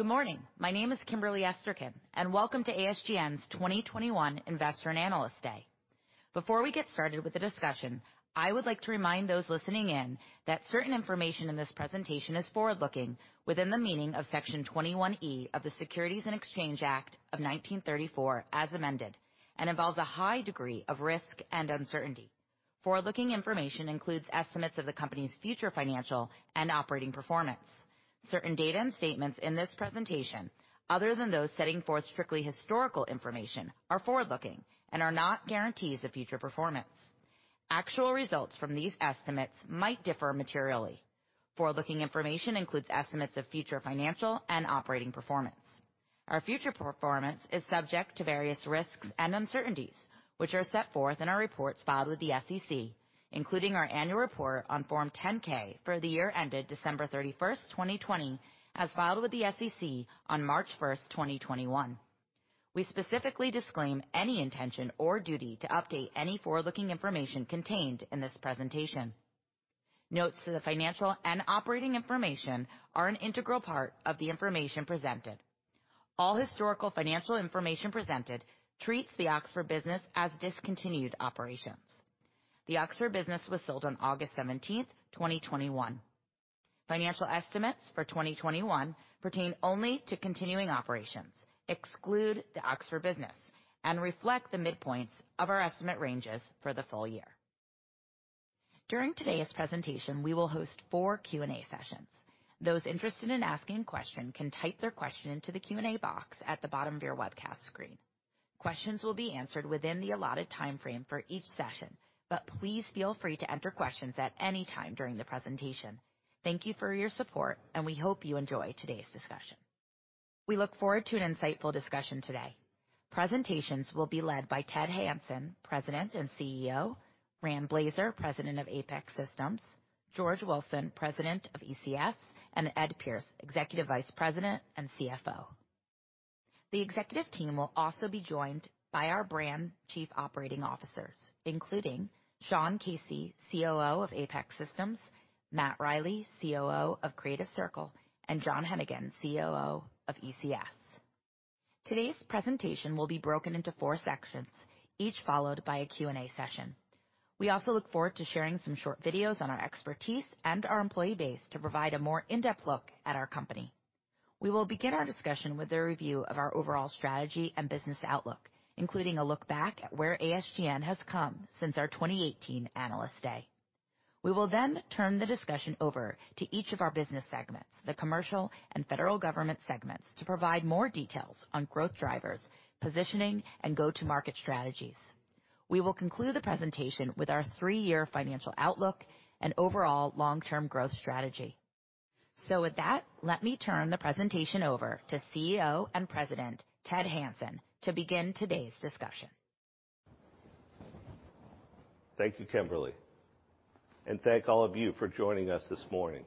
Good morning. My name is Kimberly Esterkin, and welcome to ASGN's 2021 Investor and Analyst Day. Before we get started with the discussion, I would like to remind those listening in that certain information in this presentation is forward-looking, within the meaning of Section 21(e) of the Securities and Exchange Act of 1934 as amended, and involves a high degree of risk and uncertainty. Forward-looking information includes estimates of the company's Future Financial and Operating Performance. Certain data and statements in this presentation, other than those setting forth strictly historical information, are forward-looking and are not guarantees of future performance. Actual results from these estimates might differ materially. Forward-looking information includes estimates of Future Financial and Operating Performance. Our future performance is subject to various risks and uncertainties, which are set forth in our reports filed with the SEC, including our annual report on Form 10-K for the year ended December 31st, 2020, as filed with the SEC on March 1st, 2021. We specifically disclaim any intention or duty to update any forward-looking information contained in this presentation. Notes to the financial and operating information are an integral part of the information presented. All historical financial information presented treats the Oxford business as discontinued operations. The Oxford business was sold on August 17th, 2021. Financial estimates for 2021 pertain only to continuing operations, exclude the Oxford business, and reflect the midpoints of our estimate ranges for the full year. During today's presentation, we will host four Q&A sessions. Those interested in asking a question can type their question into the Q&A box at the bottom of your webcast screen. Questions will be answered within the allotted timeframe for each session, but please feel free to enter questions at any time during the presentation. Thank you for your support, and we hope you enjoy today's discussion. We look forward to an insightful discussion today. Presentations will be led by Ted Hanson, President and CEO; Rand Blazer, President of APEX Systems; George Wilson, President of ECS; and Ed Pierce, Executive Vice President and CFO. The executive team will also be joined by our brand Chief Operating Officers, including Sean Casey, COO of APEX Systems; Matt Riley, COO of Creative Circle; and John Heneghan, COO of ECS. Today's presentation will be broken into four sections, each followed by a Q&A session. We also look forward to sharing some short videos on our expertise and our employee base to provide a more in-depth look at our company. We will begin our discussion with a review of our overall strategy and business outlook, including a look back at where ASGN has come since our 2018 Analyst Day. We will then turn the discussion over to each of our business segments, the Commercial and Federal Government segments, to provide more details on growth drivers, positioning, and go-to-market strategies. We will conclude the presentation with our three-year financial outlook and overall long-term growth strategy. With that, let me turn the presentation over to CEO and President Ted Hanson to begin today's discussion. Thank you, Kimberly. Thank all of you for joining us this morning.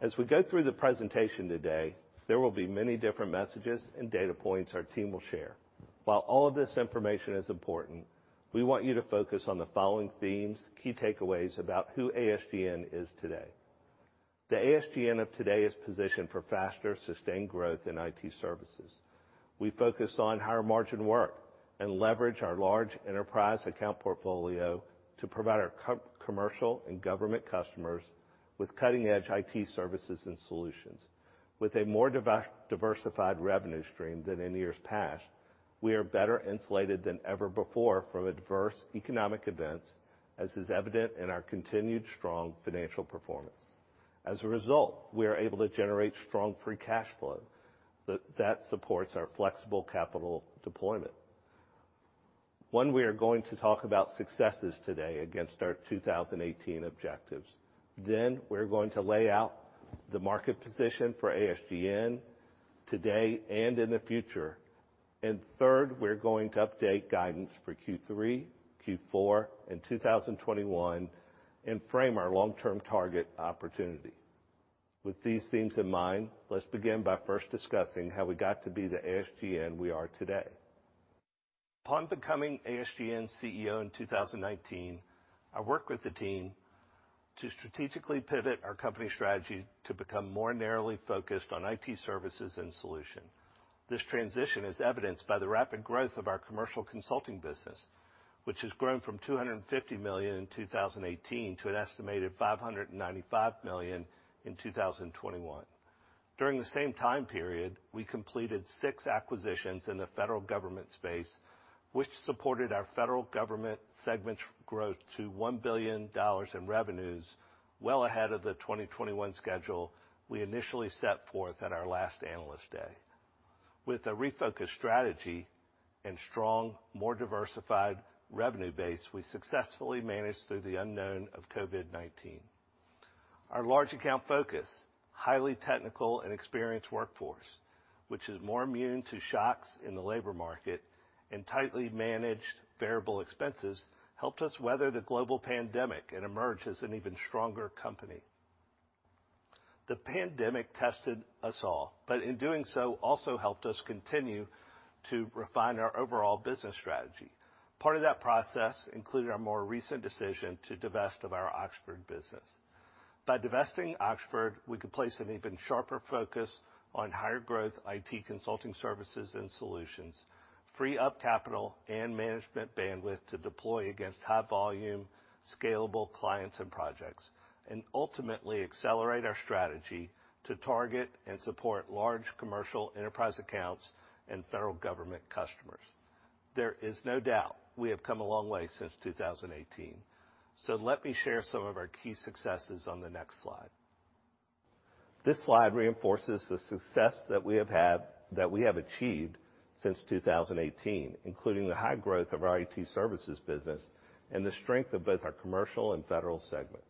As we go through the presentation today, there will be many different messages and data points our team will share. While all of this information is important, we want you to focus on the following themes, key takeaways about who ASGN is today. The ASGN of today is positioned for faster, sustained growth in IT services. We focus on higher margin work and leverage Large Enterprise account portfolio to provide our Commercial and Government customers with cutting-edge IT services and solutions. With a more diversified revenue stream than in years past, we are better insulated than ever before from adverse economic events, as is evident in our continued strong financial performance. As a result, we are able to free Cash Flow that supports our Flexible Capital Deployment. When we are going to talk about successes today against our 2018 objectives, we are going to lay out the market position for ASGN today and in the future. Third, we are going to update guidance for Q3, Q4, and 2021 and frame our long-term target opportunity. With these themes in mind, let's begin by first discussing how we got to be the ASGN we are today. Upon becoming ASGN CEO in 2019, I worked with the team to strategically pivot our company strategy to become more narrowly focused on IT services and solutions. This transition is evidenced by the rapid growth of our Commercial consulting business, which has grown from $250 million in 2018 to an estimated $595 million in 2021. During the same time period, we completed six acquisitions in the Federal Government space, which supported our Federal Government segment's growth to $1 billion in revenues, well ahead of the 2021 schedule we initially set forth at our last Analyst Day. With a refocused strategy and strong, more diversified revenue base, we successfully managed through the unknown of COVID-19. Our large account focus, highly technical and experienced workforce, which is more immune to shocks in the labor market and tightly managed variable expenses, helped us weather the Global Pandemic and emerge as an even stronger company. The pandemic tested us all, but in doing so also helped us continue to refine our overall business strategy. Part of that process included our more recent decision to divest of our Oxford business. By divesting Oxford, we could place an even sharper focus on higher growth IT consulting services and solutions, free up capital and management bandwidth to deploy against high-volume, scalable clients and projects, and ultimately accelerate our strategy to target and support Large Commercial Enterprise Accounts and Federal Government customers. There is no doubt we have come a long way since 2018. Let me share some of our key successes on the next slide. This slide reinforces the success that we have had, that we have achieved since 2018, including the high growth of our IT services business and the strength of both our Commercial and Federal segments.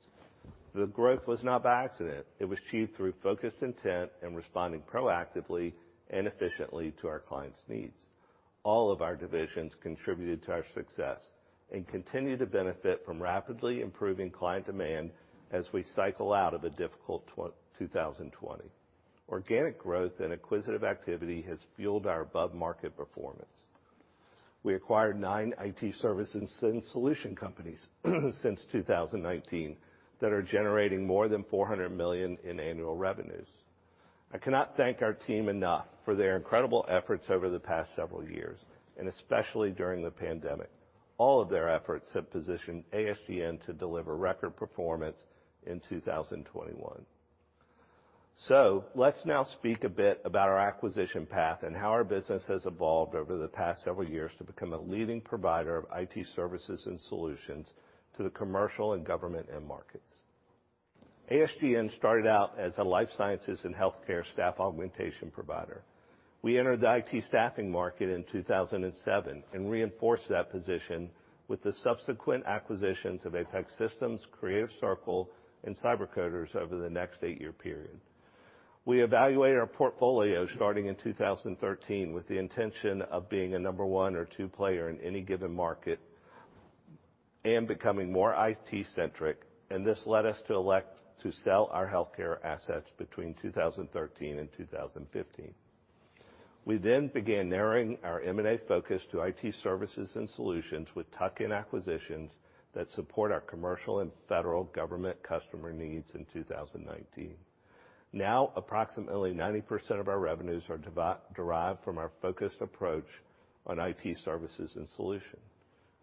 The growth was not by accident. It was achieved through focused intent and responding proactively and efficiently to our clients' needs. All of our divisions contributed to our success and continue to benefit from rapidly improving client demand as we cycle out of a difficult 2020. Organic growth and acquisitive activity has fueled our above-market performance. We acquired nine IT services and solution companies since 2019 that are generating more than $400 million in annual revenues. I cannot thank our team enough for their incredible efforts over the past several years, and especially during the pandemic. All of their efforts have positioned ASGN to deliver record performance in 2021. Let's now speak a bit about our acquisition path and how our business has evolved over the past several years to become a leading provider of IT services and solutions to the Commercial and Government end markets. ASGN started out as a life sciences and healthcare staff augmentation provider. We entered the IT staffing market in 2007 and reinforced that position with the subsequent acquisitions of APEX Systems, Creative Circle, and CyberCoders over the next eight-year period. We evaluated our portfolio starting in 2013 with the intention of being a number one or two player in any given market and becoming more IT-centric, and this led us to elect to sell our healthcare assets between 2013 and 2015. We then began narrowing our M&A focus to IT services and solutions with tuck-in acquisitions that support our Commercial and Federal Government customer needs in 2019. Now, approximately 90% of our revenues are derived from our focused approach on IT services and solutions.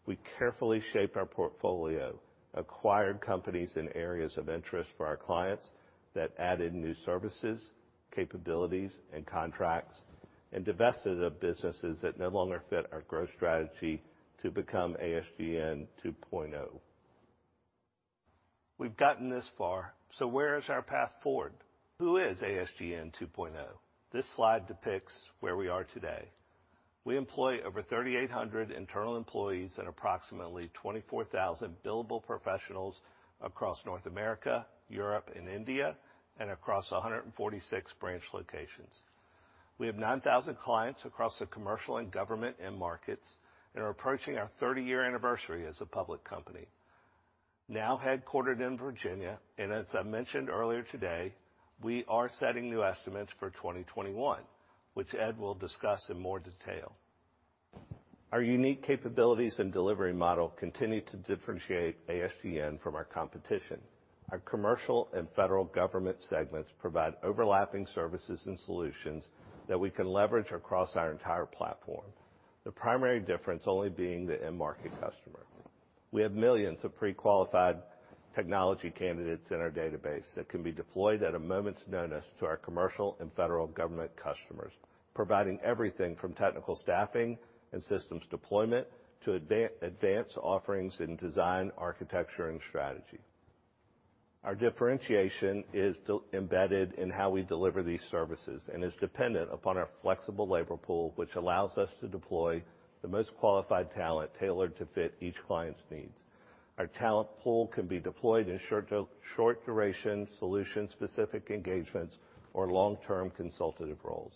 We carefully shaped our portfolio, acquired companies in areas of interest for our clients that added new services, capabilities, and contracts, and divested of businesses that no longer fit our growth strategy to become ASGN 2.0. We've gotten this far. Where is our path forward? Who is ASGN 2.0? This slide depicts where we are today. We employ over 3,800 internal employees and approximately 24,000 billable professionals across North America, Europe, and India, and across 146 branch locations. We have 9,000 clients across the Commercial and Government end markets and are approaching our 30-year anniversary as a public company. Now headquartered in Virginia, and as I mentioned earlier today, we are setting new estimates for 2021, which Ed will discuss in more detail. Our unique capabilities and delivery model continue to differentiate ASGN from our competition. Our Commercial and Federal Government segments provide overlapping services and solutions that we can leverage across our entire platform, the primary difference only being the end market customer. We have millions of Pre-qualified technology candidates in our database that can be deployed at a moment's notice to our Commercial and Federal Government customers, providing everything from Technical Staffing and Systems Deployment to Advanced Offerings in Design, Architecture, and Strategy. Our differentiation is embedded in how we deliver these services and is dependent upon our Flexible Labor Pool, which allows us to deploy the most qualified talent tailored to fit each client's needs. Our talent pool can be deployed in short-duration solution-specific engagements or long-term consultative roles.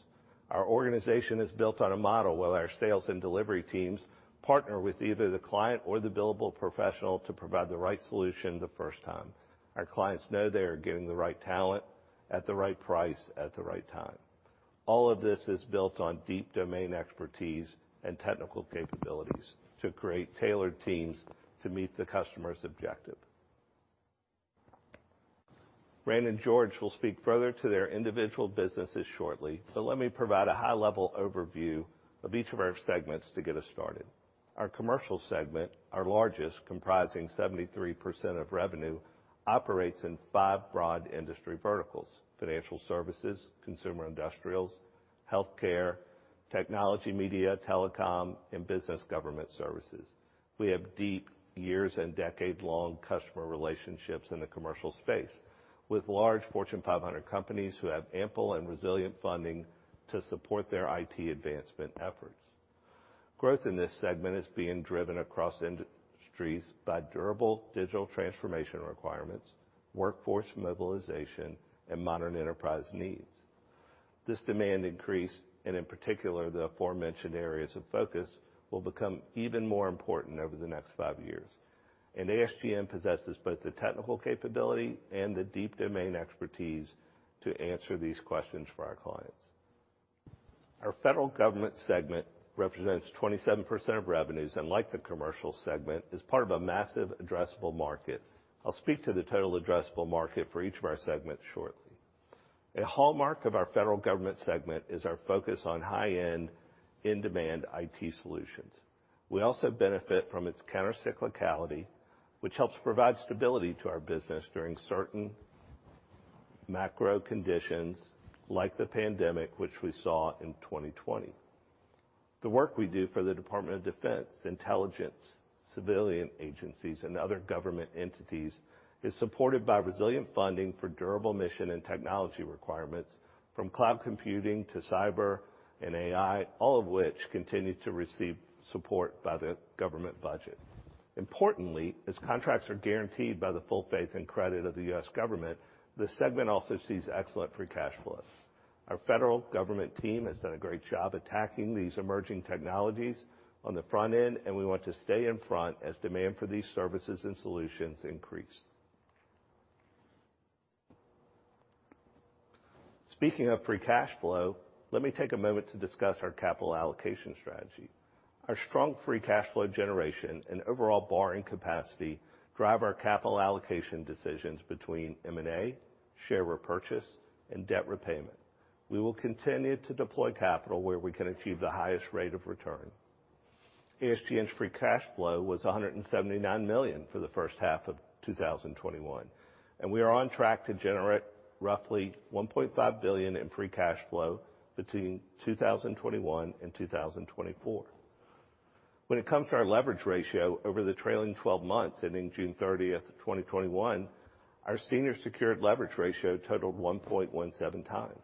Our organization is built on a model where our Sales and Delivery teams partner with either the client or the billable professional to provide the right solution the first time. Our clients know they are getting the right talent at the right price at the right time. All of this is built on Deep Domain Expertise and technical capabilities to create tailored teams to meet the customer's objective. Rand and George will speak further to their individual businesses shortly, but let me provide a high-level overview of each of our segments to get us started. Our Commercial segment, our largest, comprising 73% of revenue, operates in five broad industry verticals: Financial Services, Consumer Industrials, Healthcare, Technology, Media, Telecom, and Business Government services. We have deep, years-and-decade-long customer relationships in the Commercial space, with large Fortune 500 companies who have ample and resilient funding to support their IT advancement efforts. Growth in this segment is being driven across industries by durable Digital Transformation requirements, Workforce Mobilization, and Modern Enterprise needs. This demand increase, and in particular, the aforementioned areas of focus, will become even more important over the next five years. ASGN possesses both the technical capability and the deep domain expertise to answer these questions for our clients. Our Federal Government segment represents 27% of revenues and, like the Commercial segment, is part of a massive addressable market. I will speak to the total addressable market for each of our segments shortly. A hallmark of our Federal Government segment is our focus on High-end, In-demand IT solutions. We also benefit from its Countercyclicality, which helps provide stability to our business during certain macro conditions like the pandemic, which we saw in 2020. The work we do for the Department of Defense, Intelligence, Civilian Agencies, and other Government entities is supported by resilient funding for durable mission and technology requirements from Cloud Computing to Cyber and AI, all of which continue to receive support by the Government budget. Importantly, as contracts are guaranteed by the full faith and credit of the U.S. Government, the segment also free Cash Flow. our federal Government team has done a great job attacking these emerging technologies on the Front-End, and we want to stay in front as demand for these services and solutions increase. free Cash Flow, let me take a moment to discuss free Cash Flow generation and overall borrowing capacity drive our Capital Allocation decisions between M&A, share repurchase, and debt repayment. We will continue to deploy capital where we can achieve the highest rate of free Cash Flow was $179 million for the 1st half of 2021, and we are on track to generate roughly $1.5 free Cash Flow between 2021 and 2024. When it comes to our Leverage Ratio over the trailing 12 months ending June 30th, 2021, our senior secured leverage ratio totaled 1.17 times.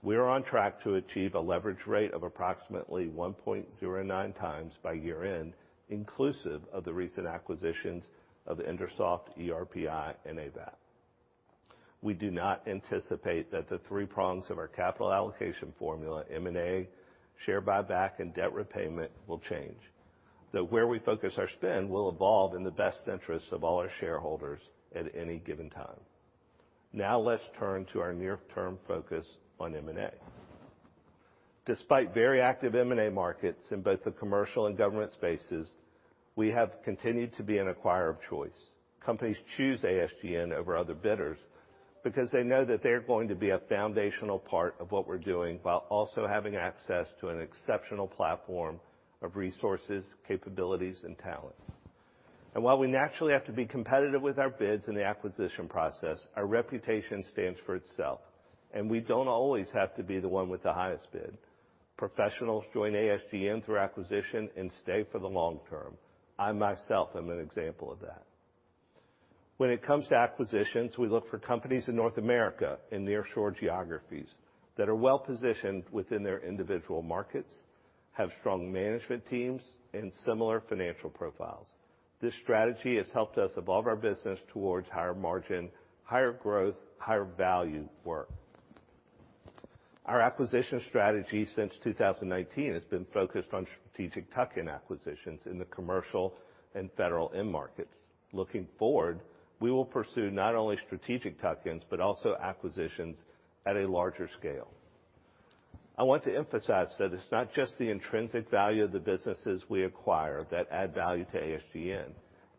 We are on track to achieve a leverage rate of approximately 1.09 times by year-end, inclusive of the recent acquisitions of IndraSoft, ERPI, and ABAP. We do not anticipate that the three prongs of our Capital Allocation formula, M&A, Share Buyback, and Debt Repayment, will change, though where we focus our spend will evolve in the best interests of all our shareholders at any given time. Now let's turn to our near-term focus on M&A. Despite very active M&A markets in both the Commercial and Government spaces, we have continued to be an acquirer of choice. Companies choose ASGN over other bidders because they know that they're going to be a foundational part of what we're doing while also having access to an exceptional platform of resources, capabilities, and talent. While we naturally have to be competitive with our bids in the acquisition process, our reputation stands for itself, and we do not always have to be the one with the highest bid. Professionals join ASGN through acquisition and stay for the long term. I myself am an example of that. When it comes to acquisitions, we look for companies in North America and near-shore geographies that are well-positioned within their individual markets, have strong management teams, and similar financial profiles. This strategy has helped us evolve our business towards higher margin, higher growth, higher value work. Our acquisition strategy since 2019 has been focused on strategic tuck-in acquisitions in the Commercial and Federal end markets. Looking forward, we will pursue not only strategic tuck-ins but also acquisitions at a larger scale. I want to emphasize that it's not just the intrinsic value of the businesses we acquire that add value to ASGN.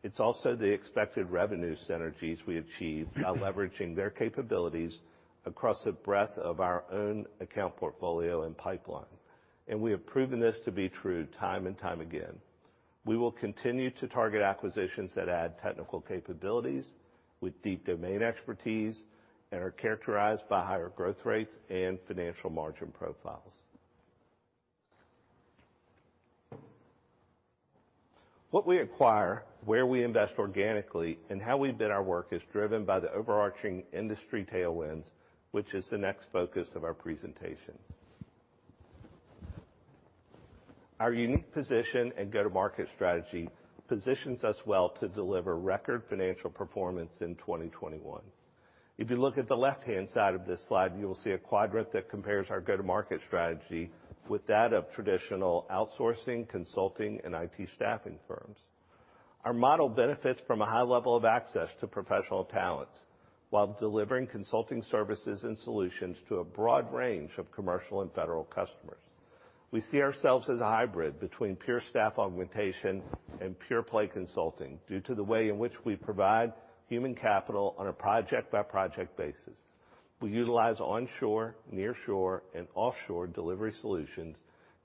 It's also the expected revenue synergies we achieve by leveraging their capabilities across the breadth of our own account portfolio and pipeline. We have proven this to be true time and time again. We will continue to target acquisitions that add technical capabilities with deep domain expertise and are characterized by higher growth rates and financial margin profiles. What we acquire, where we invest organically, and how we bid our work is driven by the overarching industry tailwinds, which is the next focus of our presentation. Our unique position and go-to-market strategy positions us well to deliver record financial performance in 2021. If you look at the left-hand side of this slide, you will see a quadrant that compares our go-to-market strategy with that of traditional outsourcing, consulting, and IT staffing firms. Our model benefits from a high level of access to professional talents while delivering consulting services and solutions to a broad range of Commercial and Federal customers. We see ourselves as a hybrid between pure staff augmentation and pure-play consulting due to the way in which we provide human capital on a project-by-project basis. We utilize onshore, near-shore, and offshore delivery solutions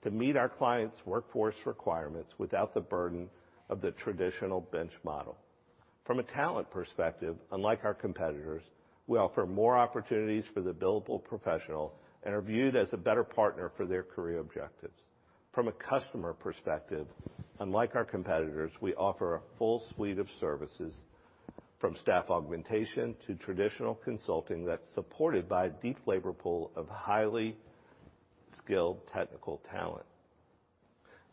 to meet our clients' workforce requirements without the burden of the traditional bench model. From a talent perspective, unlike our competitors, we offer more opportunities for the billable professional and are viewed as a better partner for their career objectives. From a customer perspective, unlike our competitors, we offer a full suite of services from staff augmentation to traditional consulting that's supported by a deep labor pool of highly skilled technical talent.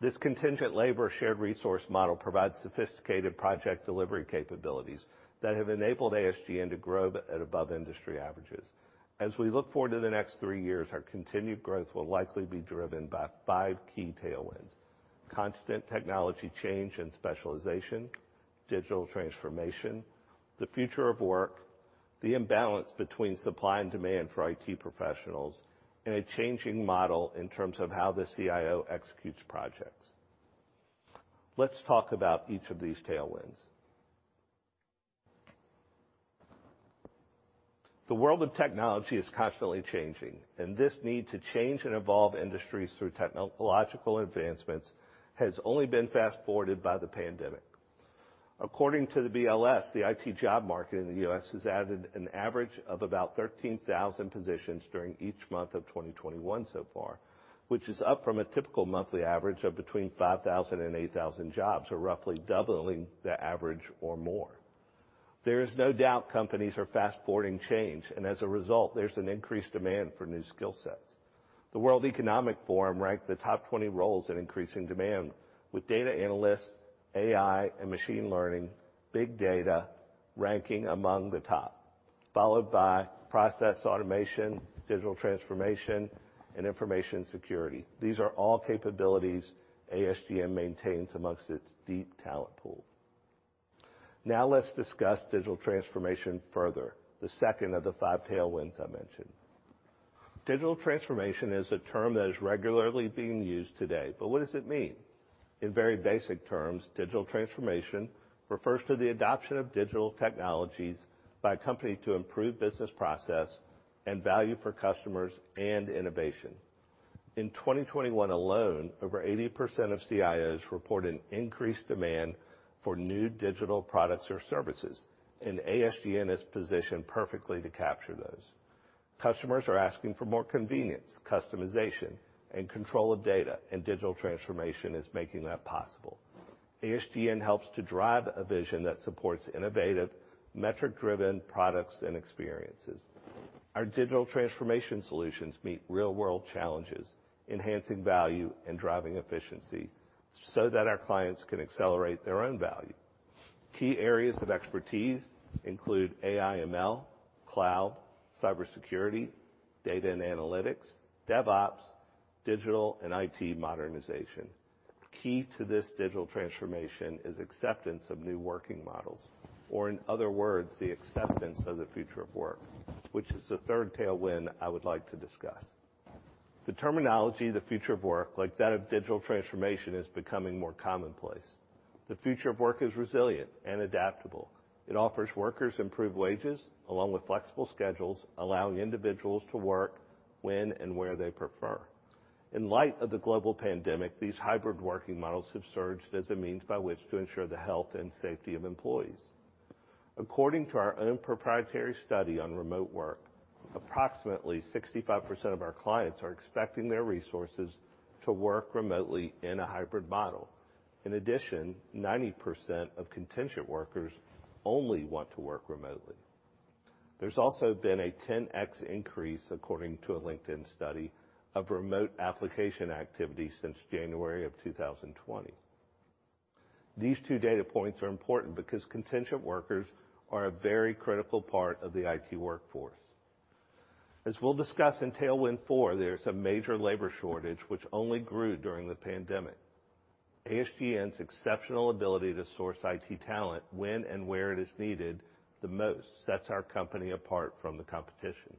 This contingent labor shared resource model provides sophisticated project delivery capabilities that have enabled ASGN to grow at above industry averages. As we look forward to the next three years, our continued growth will likely be driven by five key tailwinds: Constant Technology Change and Specialization, Digital Transformation, the future of work, the imbalance between Supply and Demand for IT professionals, and a changing model in terms of how the CIO executes projects. Let's talk about each of these tailwinds. The world of technology is constantly changing, and this need to change and evolve industries through technological advancements has only been fast-forwarded by the pandemic. According to the BLS, the IT job market in the U.S. has added an average of about 13,000 positions during each month of 2021 so far, which is up from a typical monthly average of between 5,000 and 8,000 jobs, or roughly doubling the average or more. There is no doubt companies are fast-forwarding change, and as a result, there's an increased demand for new skill sets. The World Economic Forum ranked the Top 20 roles in increasing demand, with Data Analysts, AI, and Machine Learning, Big Data, ranking among the top, followed by Process Automation, Digital Transformation, and Information Security. These are all capabilities ASGN maintains amongst its deep talent pool. Now let's discuss Digital Transformation further, the 2nd of the five tailwinds I mentioned. Digital Transformation is a term that is regularly being used today, but what does it mean? In very basic terms, Digital Transformation refers to the adoption of Digital Technologies by a company to improve business process and value for customers and innovation. In 2021 alone, over 80% of CIOs reported increased demand for new digital products or services, and ASGN is positioned perfectly to capture those. Customers are asking for more convenience, customization, and control of data, and Digital Transformation is making that possible. ASGN helps to drive a vision that supports innovative, metric-driven products and experiences. Our Digital Transformation Solutions meet real-world challenges, enhancing value and driving efficiency so that our clients can accelerate their own value. Key areas of expertise include AI/ML, Cloud, Cybersecurity, Data and Analytics, DevOps, Digital and IT Modernization. Key to this Digital Transformation is acceptance of new working models, or in other words, the acceptance of the future of work, which is the 3rd tailwind I would like to discuss. The terminology of the future of work, like that of Digital Transformation, is becoming more commonplace. The future of work is resilient and adaptable. It offers workers improved wages along with flexible schedules, allowing individuals to work when and where they prefer. In light of the Global Pandemic, these hybrid working models have surged as a means by which to ensure the health and safety of employees. According to our own proprietary study on remote work, approximately 65% of our clients are expecting their resources to work remotely in a Hybrid Model. In addition, 90% of contingent workers only want to work remotely. There's also been a 10x increase, according to a LinkedIn study, of Remote Application activity since January of 2020. These two data points are important because contingent workers are a very critical part of the IT workforce. As we'll discuss in Tailwind 4, there's a major labor shortage, which only grew during the pandemic. ASGN's exceptional ability to source IT talent when and where it is needed the most sets our company apart from the competition.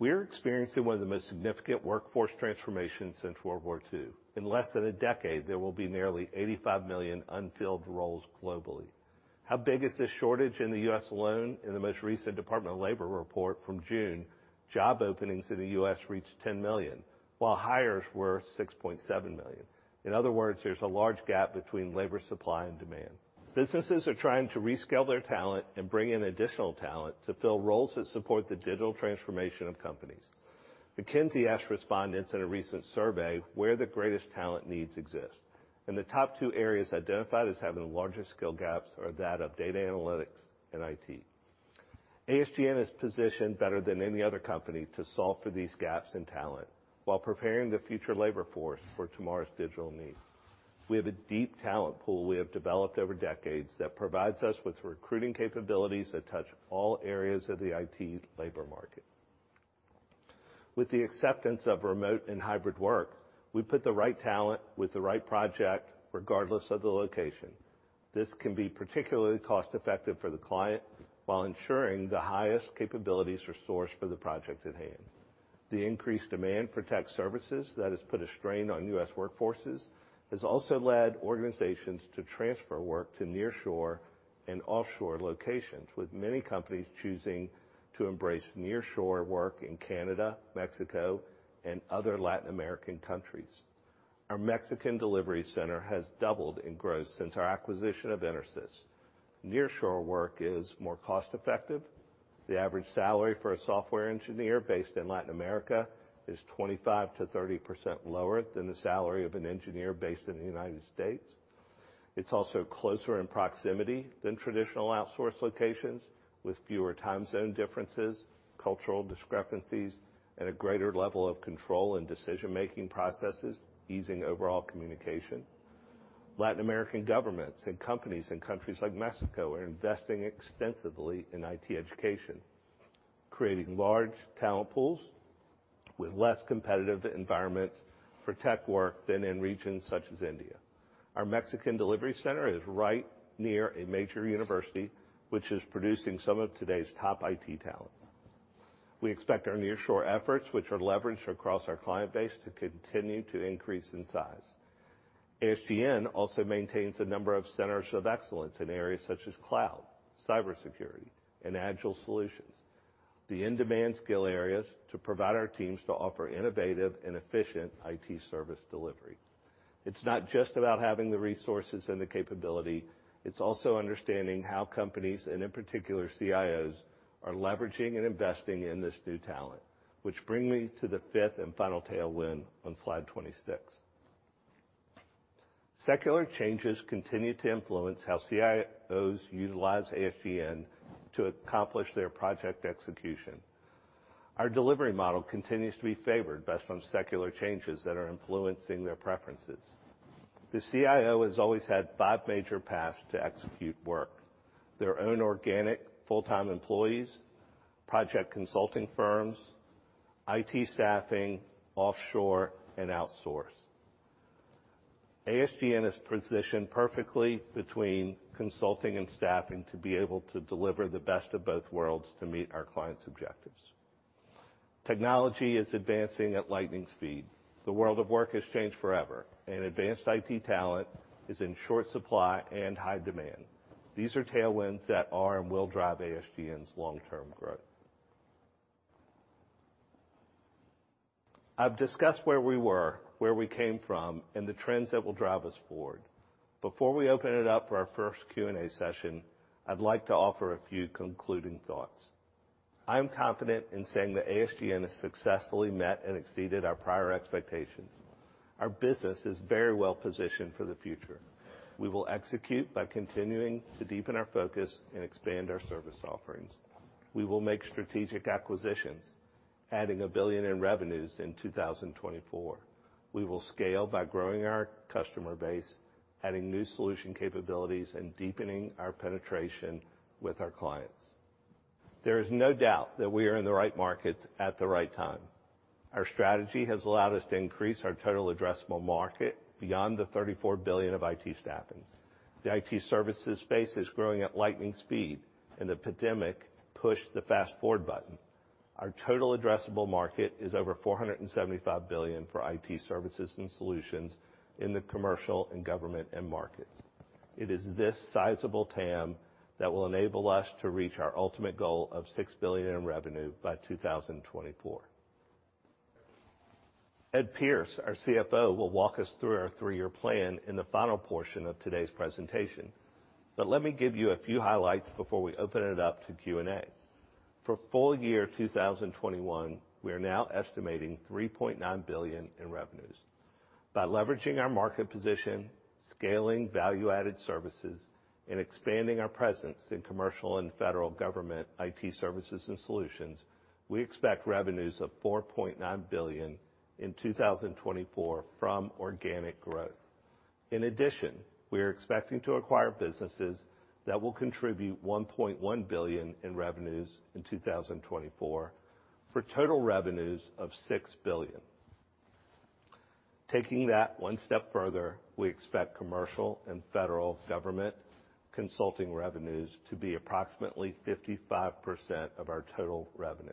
We are experiencing one of the most significant workforce transformations since World War II. In less than a decade, there will be nearly 85 million unfilled roles globally. How big is this shortage in the U.S. alone? In the most recent Department of Labor report from June, job openings in the U.S. reached 10 million, while hires were 6.7 million. In other words, there's a large gap between labor Supply and Demand. Businesses are trying to rescale their talent and bring in additional talent to fill roles that support the Digital Transformation of companies. McKinsey asked respondents in a recent survey where the greatest talent needs exist, and the top two areas identified as having the largest skill gaps are that of Data Analytics and IT. ASGN is positioned better than any other company to solve for these gaps in talent while preparing the future labor force for tomorrow's digital needs. We have a deep talent pool we have developed over decades that provides us with recruiting capabilities that touch all areas of the IT labor market. With the acceptance of Remote and Hybrid work, we put the right talent with the right project regardless of the location. This can be particularly cost-effective for the client while ensuring the highest capabilities are sourced for the project at hand. The increased demand for tech services that has put a strain on U.S. workforces has also led organizations to transfer work to near-shore and offshore locations, with many companies choosing to embrace near-shore work in Canada, Mexico, and other Latin American countries. Our Mexican delivery center has doubled in growth since our acquisition of Intersys. Near-shore work is more cost-effective. The average salary for a software engineer based in Latin America is 25%-30% lower than the salary of an engineer based in the United States. It's also closer in proximity than traditional outsource locations, with fewer time zone differences, cultural discrepancies, and a greater level of control in decision-making processes, easing overall communication. Latin American Governments and companies in countries like Mexico are investing extensively in IT education, creating large talent pools with less competitive environments for tech work than in regions such as India. Our Mexican delivery center is right near a major university, which is producing some of today's top IT talent. We expect our near-shore efforts, which are leveraged across our client base, to continue to increase in size. ASGN also maintains a number of centers of excellence in areas such as Cloud, Cybersecurity, and Agile Solutions, the in-demand skill areas to provide our teams to offer innovative and efficient IT service delivery. It's not just about having the resources and the capability; it's also understanding how companies, and in particular CIOs, are leveraging and investing in this new talent, which brings me to the 5th and final tailwind on slide 26. Secular changes continue to influence how CIOs utilize ASGN to accomplish their project execution. Our delivery model continues to be favored by some secular changes that are influencing their preferences. The CIO has always had five major paths to execute work: their own Organic Full-time Employees, Project Consulting Firms, IT Staffing, Offshore, and Outsource. ASGN is positioned perfectly between consulting and staffing to be able to deliver the best of both worlds to meet our clients' objectives. Technology is advancing at lightning speed. The world of work has changed forever, and advanced IT talent is in short supply and high demand. These are tailwinds that are and will drive ASGN's long-term growth. I've discussed where we were, where we came from, and the trends that will drive us forward. Before we open it up for our first Q&A session, I'd like to offer a few concluding thoughts. I am confident in saying that ASGN has successfully met and exceeded our prior expectations. Our business is very well positioned for the future. We will execute by continuing to deepen our focus and expand our service offerings. We will make strategic acquisitions, adding $1 billion in revenues in 2024. We will scale by growing our customer base, adding new solution capabilities, and deepening our penetration with our clients. There is no doubt that we are in the right markets at the right time. Our strategy has allowed us to increase our total addressable market beyond the $34 billion of IT staffing. The IT services space is growing at lightning speed, and the pandemic pushed the fast-forward button. Our total addressable market is over $475 billion for IT services and solutions in the Commercial, Government, and markets. It is this sizable TAM that will enable us to reach our ultimate goal of $6 billion in revenue by 2024. Ed Pierce, our CFO, will walk us through our three-year plan in the final portion of today's presentation, but let me give you a few highlights before we open it up to Q&A. For full year 2021, we are now estimating $3.9 billion in revenues. By leveraging our market position, scaling value-added services, and expanding our presence in Commercial and Federal Government IT services and solutions, we expect revenues of $4.9 billion in 2024 from organic growth. In addition, we are expecting to acquire businesses that will contribute $1.1 billion in revenues in 2024 for total revenues of $6 billion. Taking that one step further, we expect Commercial and Federal Government consulting revenues to be approximately 55% of our total revenue.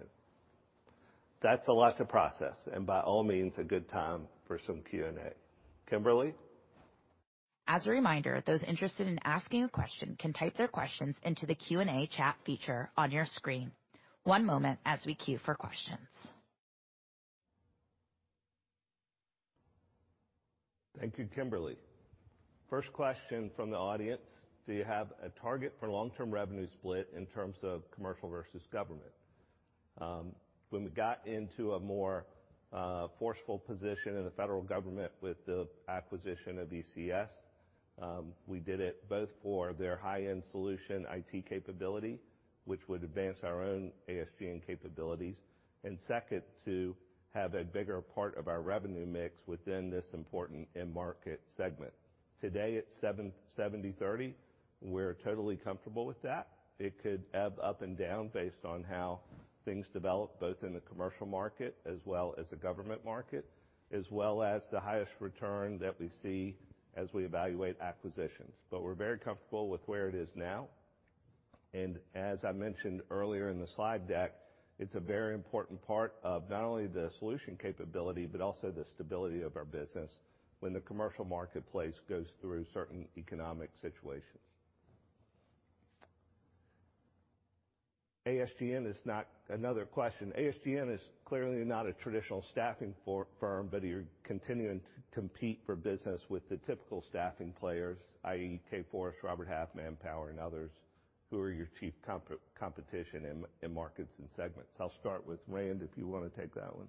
That's a lot to process, and by all means, a good time for some Q&A. Kimberly? As a reminder, those interested in asking a question can type their questions into the Q&A chat feature on your screen. One moment as we queue for questions. Thank you, Kimberly. First question from the audience: Do you have a target for long-term revenue split in terms of Commercial versus Government? When we got into a more forceful position in the Federal Government with the acquisition of ECS, we did it both for their High-end solution IT capability, which would advance our own ASGN capabilities, and second, to have a bigger part of our revenue mix within this important end market segment. Today, at 70/30, we're totally comfortable with that. It could ebb up and down based on how things develop both in the Commercial market as well as the Government market, as well as the highest return that we see as we evaluate acquisitions. We are very comfortable with where it is now. As I mentioned earlier in the slide deck, it is a very important part of not only the solution capability but also the stability of our business when the Commercial marketplace goes through certain economic situations. ASGN is not—another question. ASGN is clearly not a Traditional Staffing Firm, but you are continuing to compete for business with the typical staffing players, i.e., Kforce, Robert Half, Power, and others, who are your chief competition in markets and segments. I will start with Rand if you want to take that one.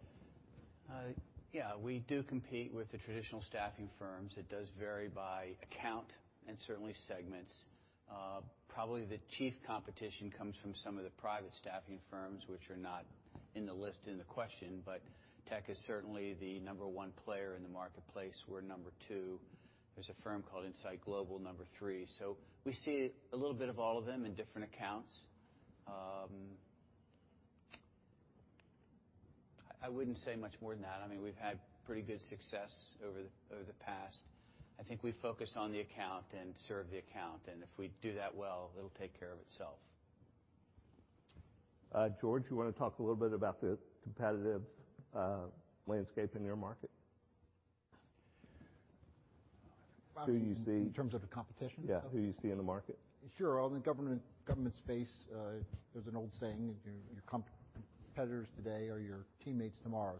Yeah, we do compete with the Traditional Staffing Firms. It does vary by account and certainly segments. Probably the chief competition comes from some of the Private Staffing Firms, which are not in the list in the question, but TEKsystems is certainly the number one player in the marketplace. We are number two. There's a firm called Insight Global, number three. We see a little bit of all of them in different accounts. I wouldn't say much more than that. I mean, we've had pretty good success over the past. I think we focus on the account and serve the account, and if we do that well, it'll take care of itself. George, you want to talk a little bit about the competitive landscape in your market? Who do you see? In terms of the competition? Yeah. Who do you see in the market? Sure. In the Government space, there's an old saying: your competitors today are your teammates tomorrow.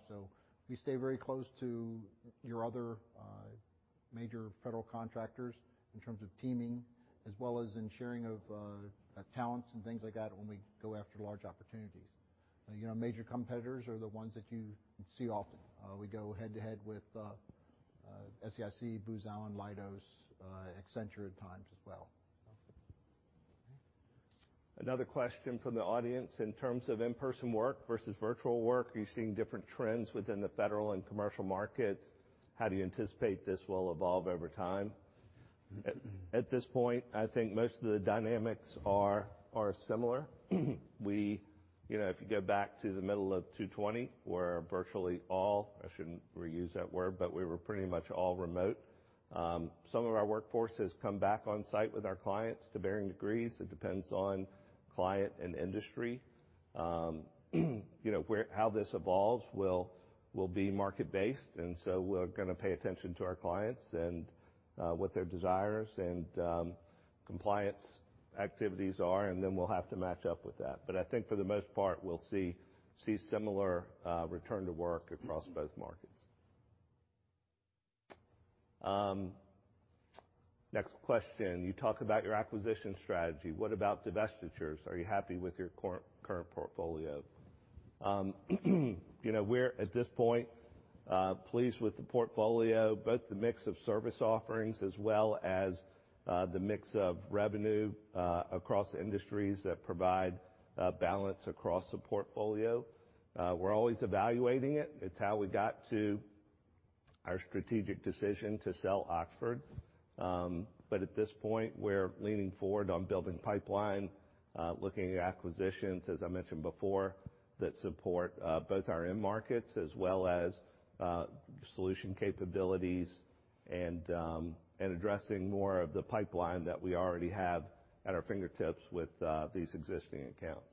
We stay very close to your other major Federal contractors in terms of teaming, as well as in sharing of talents and things like that when we go after large opportunities. Major competitors are the ones that you see often. We go head-to-head with SAIC, Booz Allen, Leidos, Accenture at times as well. Another question from the audience: In terms of in-person work versus virtual work, are you seeing different trends within the Federal and Commercial markets? How do you anticipate this will evolve over time? At this point, I think most of the dynamics are similar. If you go back to the middle of 2020, we were virtually all—I shouldn't reuse that word, but we were pretty much all remote. Some of our workforce has come back on-site with our clients to varying degrees. It depends on client and industry. How this evolves will be market-based, and so we're going to pay attention to our clients and what their desires and compliance activities are, and then we'll have to match up with that. I think for the most part, we'll see similar return to work across both markets. Next question: You talk about your acquisition strategy. What about divestitures? Are you happy with your current portfolio? We're, at this point, pleased with the portfolio, both the mix of service offerings as well as the mix of revenue across industries that provide balance across the portfolio. We're always evaluating it. It's how we got to our strategic decision to sell Oxford. At this point, we're leaning forward on building pipeline, looking at acquisitions, as I mentioned before, that support both our end markets as well as solution capabilities and addressing more of the pipeline that we already have at our fingertips with these existing accounts.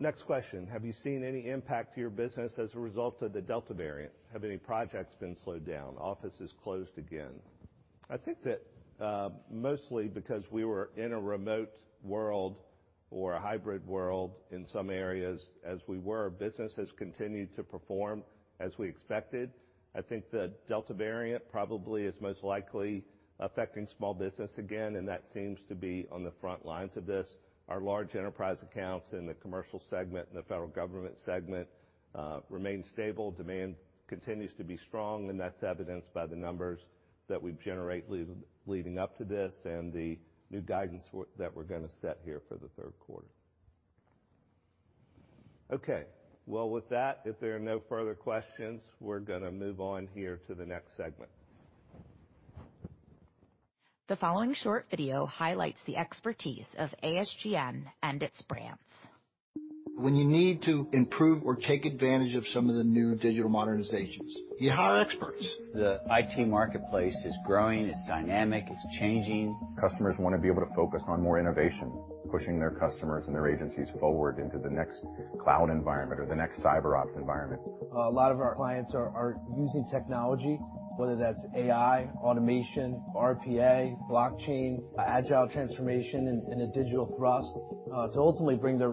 Next question: Have you seen any impact to your business as a result of the Delta variant? Have any projects been slowed down? Offices closed again? I think that mostly because we were in a remote world or a hybrid world in some areas, as we were, business has continued to perform as we expected. I think the Delta variant probably is most likely affecting small business again, and that seems to be on the front lines of this. Large Enterprise accounts in the Commercial segment and the Federal Government segment remain stable. Demand continues to be strong, and that's evidenced by the numbers that we've generated leading up to this and the new guidance that we're going to set here for the third quarter. If there are no further questions, we're going to move on here to the next segment. The following short video highlights the expertise of ASGN and its brands. When you need to improve or take advantage of some of the new digital modernizations, you hire experts. The IT marketplace is growing. It's dynamic. It's changing. Customers want to be able to focus on more innovation, pushing their customers and their agencies forward into the next cloud environment or the next cyber ops environment. A lot of our clients are using technology, whether that's AI, automation, RPA, Blockchain, Agile Transformation, and a digital thrust to ultimately bring their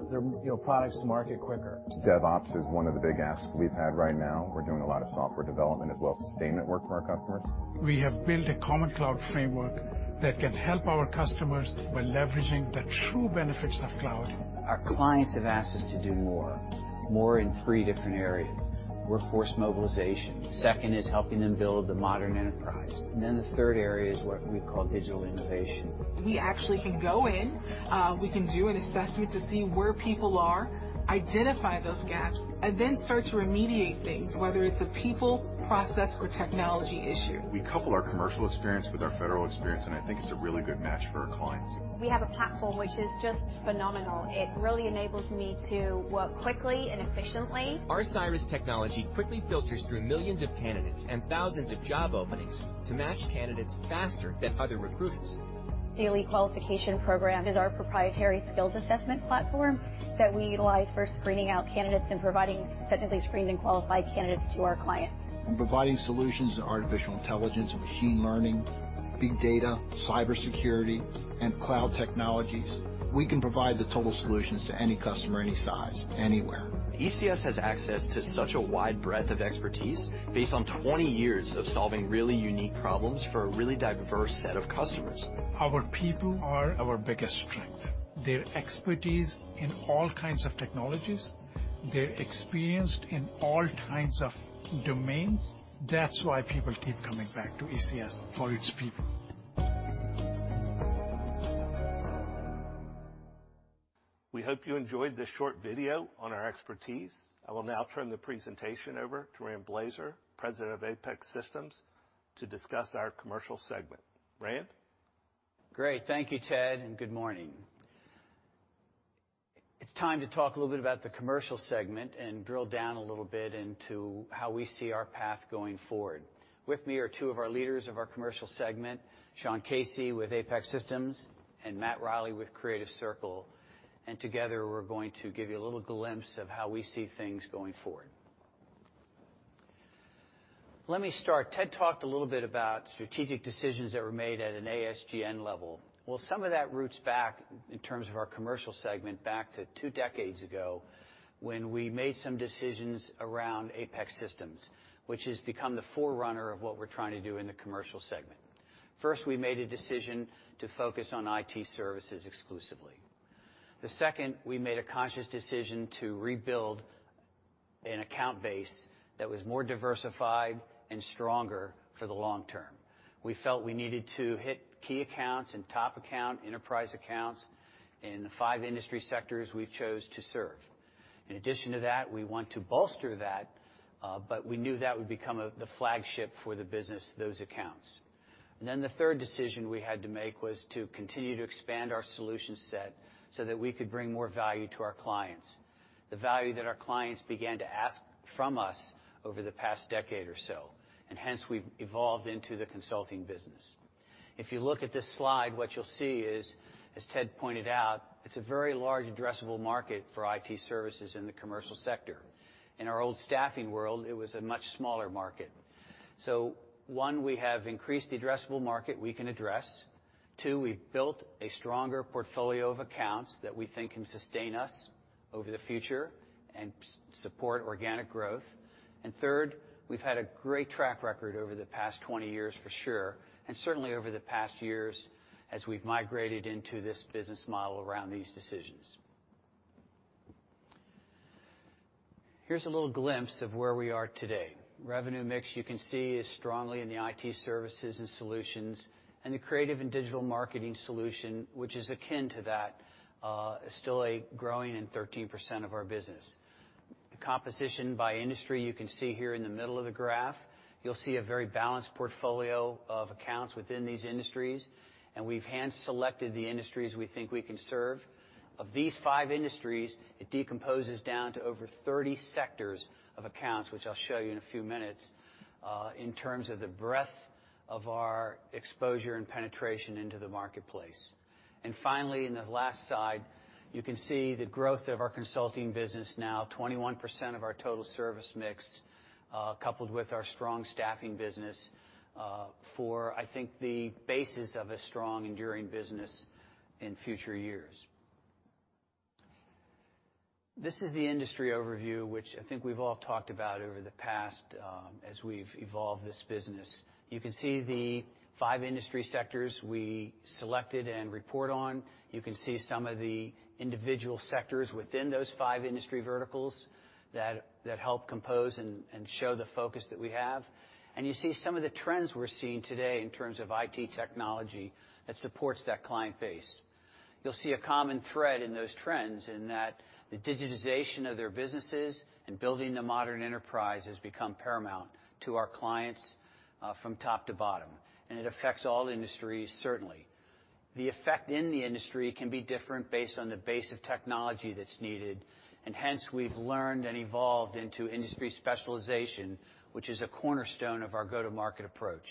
products to market quicker. DevOps is one of the big asks we've had right now. We're doing a lot of software development as well as sustainment work for our customers. We have built a common Cloud Framework that can help our customers by leveraging the true benefits of cloud. Our clients have asked us to do more, more in three different areas: Workforce Mobilization. Second is helping them build the Modern Enterprise. And then the third area is what we call Digital Innovation. We actually can go in. We can do an assessment to see where people are, identify those gaps, and then start to remediate things, whether it's a people, process, or technology issue. We couple our Commercial experience with our Federal experience, and I think it's a really good match for our clients. We have a platform which is just phenomenal. It really enables me to work quickly and efficiently. Our Cyrus technology quickly filters through millions of candidates and thousands of job openings to match candidates faster than other recruiters. The Elite Qualification Program is our proprietary skills assessment platform that we utilize for screening out candidates and providing technically screened and qualified candidates to our clients. In providing solutions to Artificial Intelligence and Machine Learning, Big Data, Cybersecurity, and Cloud Technologies, we can provide the total solutions to any customer, any size, anywhere. ECS has access to such a wide breadth of expertise based on 20 years of solving really unique problems for a really diverse set of customers. Our people are our biggest strength. Their expertise in all kinds of technologies, they're experienced in all kinds of domains. That's why people keep coming back to ECS for its people. We hope you enjoyed this short video on our expertise. I will now turn the presentation over to Rand Blazer, President of APEX Systems, to discuss our Commercial segment. Rand? Great. Thank you, Ted, and good morning. It's time to talk a little bit about the Commercial segment and drill down a little bit into how we see our path going forward. With me are two of our leaders of our Commercial segment, Sean Casey with APEX Systems and Matt Riley with Creative Circle. Together, we're going to give you a little glimpse of how we see things going forward. Let me start. Ted talked a little bit about strategic decisions that were made at an ASGN level. Some of that roots back in terms of our Commercial segment back to two decades ago when we made some decisions around APEX Systems, which has become the forerunner of what we're trying to do in the Commercial segment. First, we made a decision to focus on IT services exclusively. 2nd, we made a conscious decision to rebuild an account base that was more diversified and stronger for the long term. We felt we needed to hit key accounts and top account, enterprise accounts in the five industry sectors we've chosen to serve. In addition to that, we want to bolster that, but we knew that would become the flagship for the business, those accounts. The 3rd decision we had to make was to continue to expand our solution set so that we could bring more value to our clients, the value that our clients began to ask from us over the past decade or so. Hence, we've evolved into the consulting business. If you look at this slide, what you'll see is, as Ted pointed out, it's a very large addressable market for IT services in the Commercial sector. In our old staffing world, it was a much smaller market. One, we have increased the addressable market we can address. Two, we've built a stronger portfolio of accounts that we think can sustain us over the future and support organic growth. Third, we've had a great track record over the past 20 years for sure, and certainly over the past years as we've migrated into this Business Model around these decisions. Here's a little glimpse of where we are today. Revenue mix you can see is strongly in the IT services and solutions, and the creative and digital marketing solution, which is akin to that, is still growing in 13% of our business. The composition by industry you can see here in the middle of the graph. You'll see a very balanced portfolio of accounts within these industries, and we've hand-selected the industries we think we can serve. Of these five industries, it decomposes down to over 30 sectors of accounts, which I'll show you in a few minutes in terms of the breadth of our exposure and penetration into the marketplace. Finally, in the last slide, you can see the growth of our consulting business now, 21% of our total service mix coupled with our strong staffing business for, I think, the basis of a strong, enduring business in future years. This is the industry overview, which I think we've all talked about over the past as we've evolved this business. You can see the five industry sectors we selected and report on. You can see some of the individual sectors within those five industry verticals that help compose and show the focus that we have. You see some of the trends we're seeing today in terms of IT technology that supports that client base. You'll see a common thread in those trends in that the digitization of their businesses and building the modern enterprise has become paramount to our clients from top to bottom, and it affects all industries, certainly. The effect in the industry can be different based on the base of technology that's needed, and hence we've learned and evolved into industry specialization, which is a cornerstone of our go-to-market approach.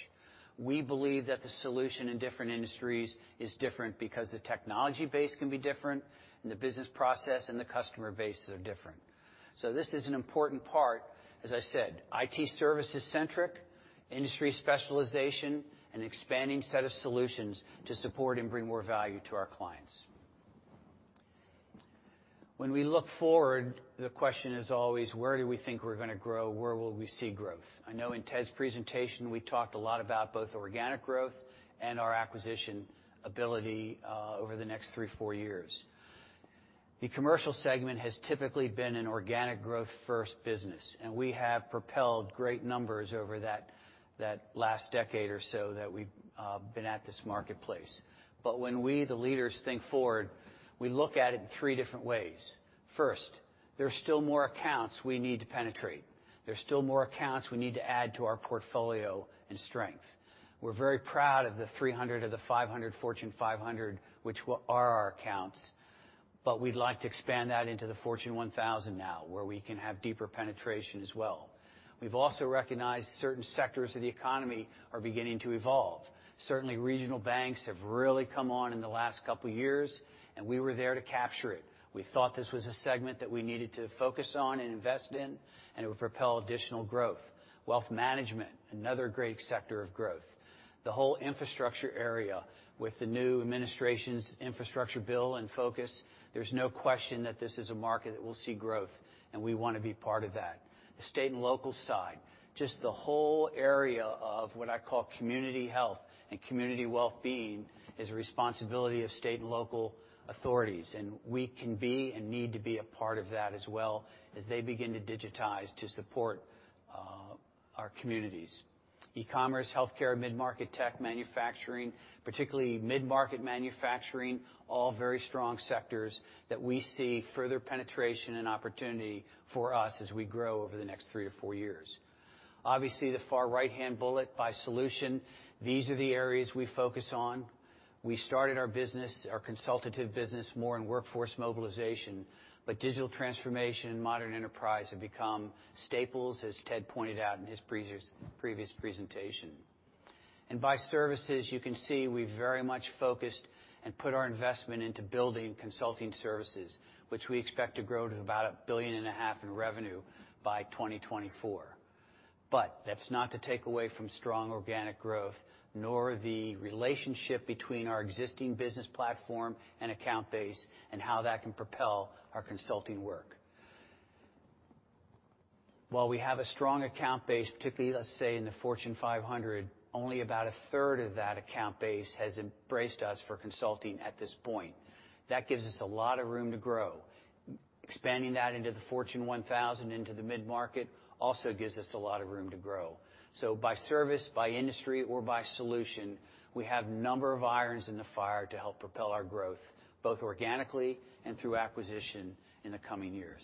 We believe that the solution in different industries is different because the technology base can be different, and the business process and the customer base are different. This is an important part, as I said, IT services-centric, industry specialization, and expanding set of solutions to support and bring more value to our clients. When we look forward, the question is always, where do we think we're going to grow? Where will we see growth? I know in Ted's presentation, we talked a lot about both organic growth and our acquisition ability over the next three, four years. The Commercial segment has typically been an Organic Growth-first business, and we have propelled great numbers over that last decade or so that we've been at this marketplace. When we, the leaders, think forward, we look at it in three different ways. First, there are still more accounts we need to penetrate. There are still more accounts we need to add to our portfolio and strength. We're very proud of the 300 of the 500 Fortune 500, which are our accounts, but we'd like to expand that into the Fortune 1000 now, where we can have deeper penetration as well. We've also recognized certain sectors of the economy are beginning to evolve. Certainly, regional banks have really come on in the last couple of years, and we were there to capture it. We thought this was a segment that we needed to focus on and invest in, and it would propel additional growth. Wealth Management, another great sector of growth. The whole infrastructure area, with the new administration's infrastructure bill in focus, there's no question that this is a market that will see growth, and we want to be part of that. The state and local side, just the whole area of what I call community health and community well-being is a responsibility of state and local authorities, and we can be and need to be a part of that as well as they begin to digitize to support our communities. E-commerce, healthcare, mid-market tech, manufacturing, particularly mid-market manufacturing, all very strong sectors that we see further penetration and opportunity for us as we grow over the next three to four years. Obviously, the far right-hand bullet by solution, these are the areas we focus on. We started our consultative business more in Workforce Mobilization, but Digital Transformation and modern enterprise have become staples, as Ted pointed out in his previous presentation. By services, you can see we've very much focused and put our investment into building consulting services, which we expect to grow to about $1.5 billion in revenue by 2024. That is not to take away from strong organic growth, nor the relationship between our existing business platform and account base and how that can propel our consulting work. While we have a strong account base, particularly, let's say, in the Fortune 500, only about 1/3 of that account base has embraced us for consulting at this point. That gives us a lot of room to grow. Expanding that into the Fortune 1000, into the mid-market, also gives us a lot of room to grow. By service, by industry, or by solution, we have a number of irons in the fire to help propel our growth, both organically and through acquisition in the coming years.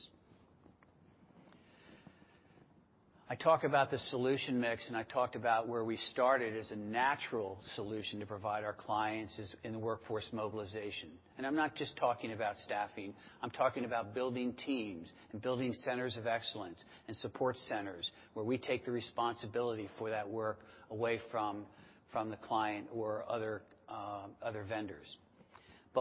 I talk about the solution mix, and I talked about where we started as a natural solution to provide our clients in the Workforce Mobilization. I'm not just talking about staffing. I'm talking about building teams and building centers of excellence and support centers where we take the responsibility for that work away from the client or other vendors.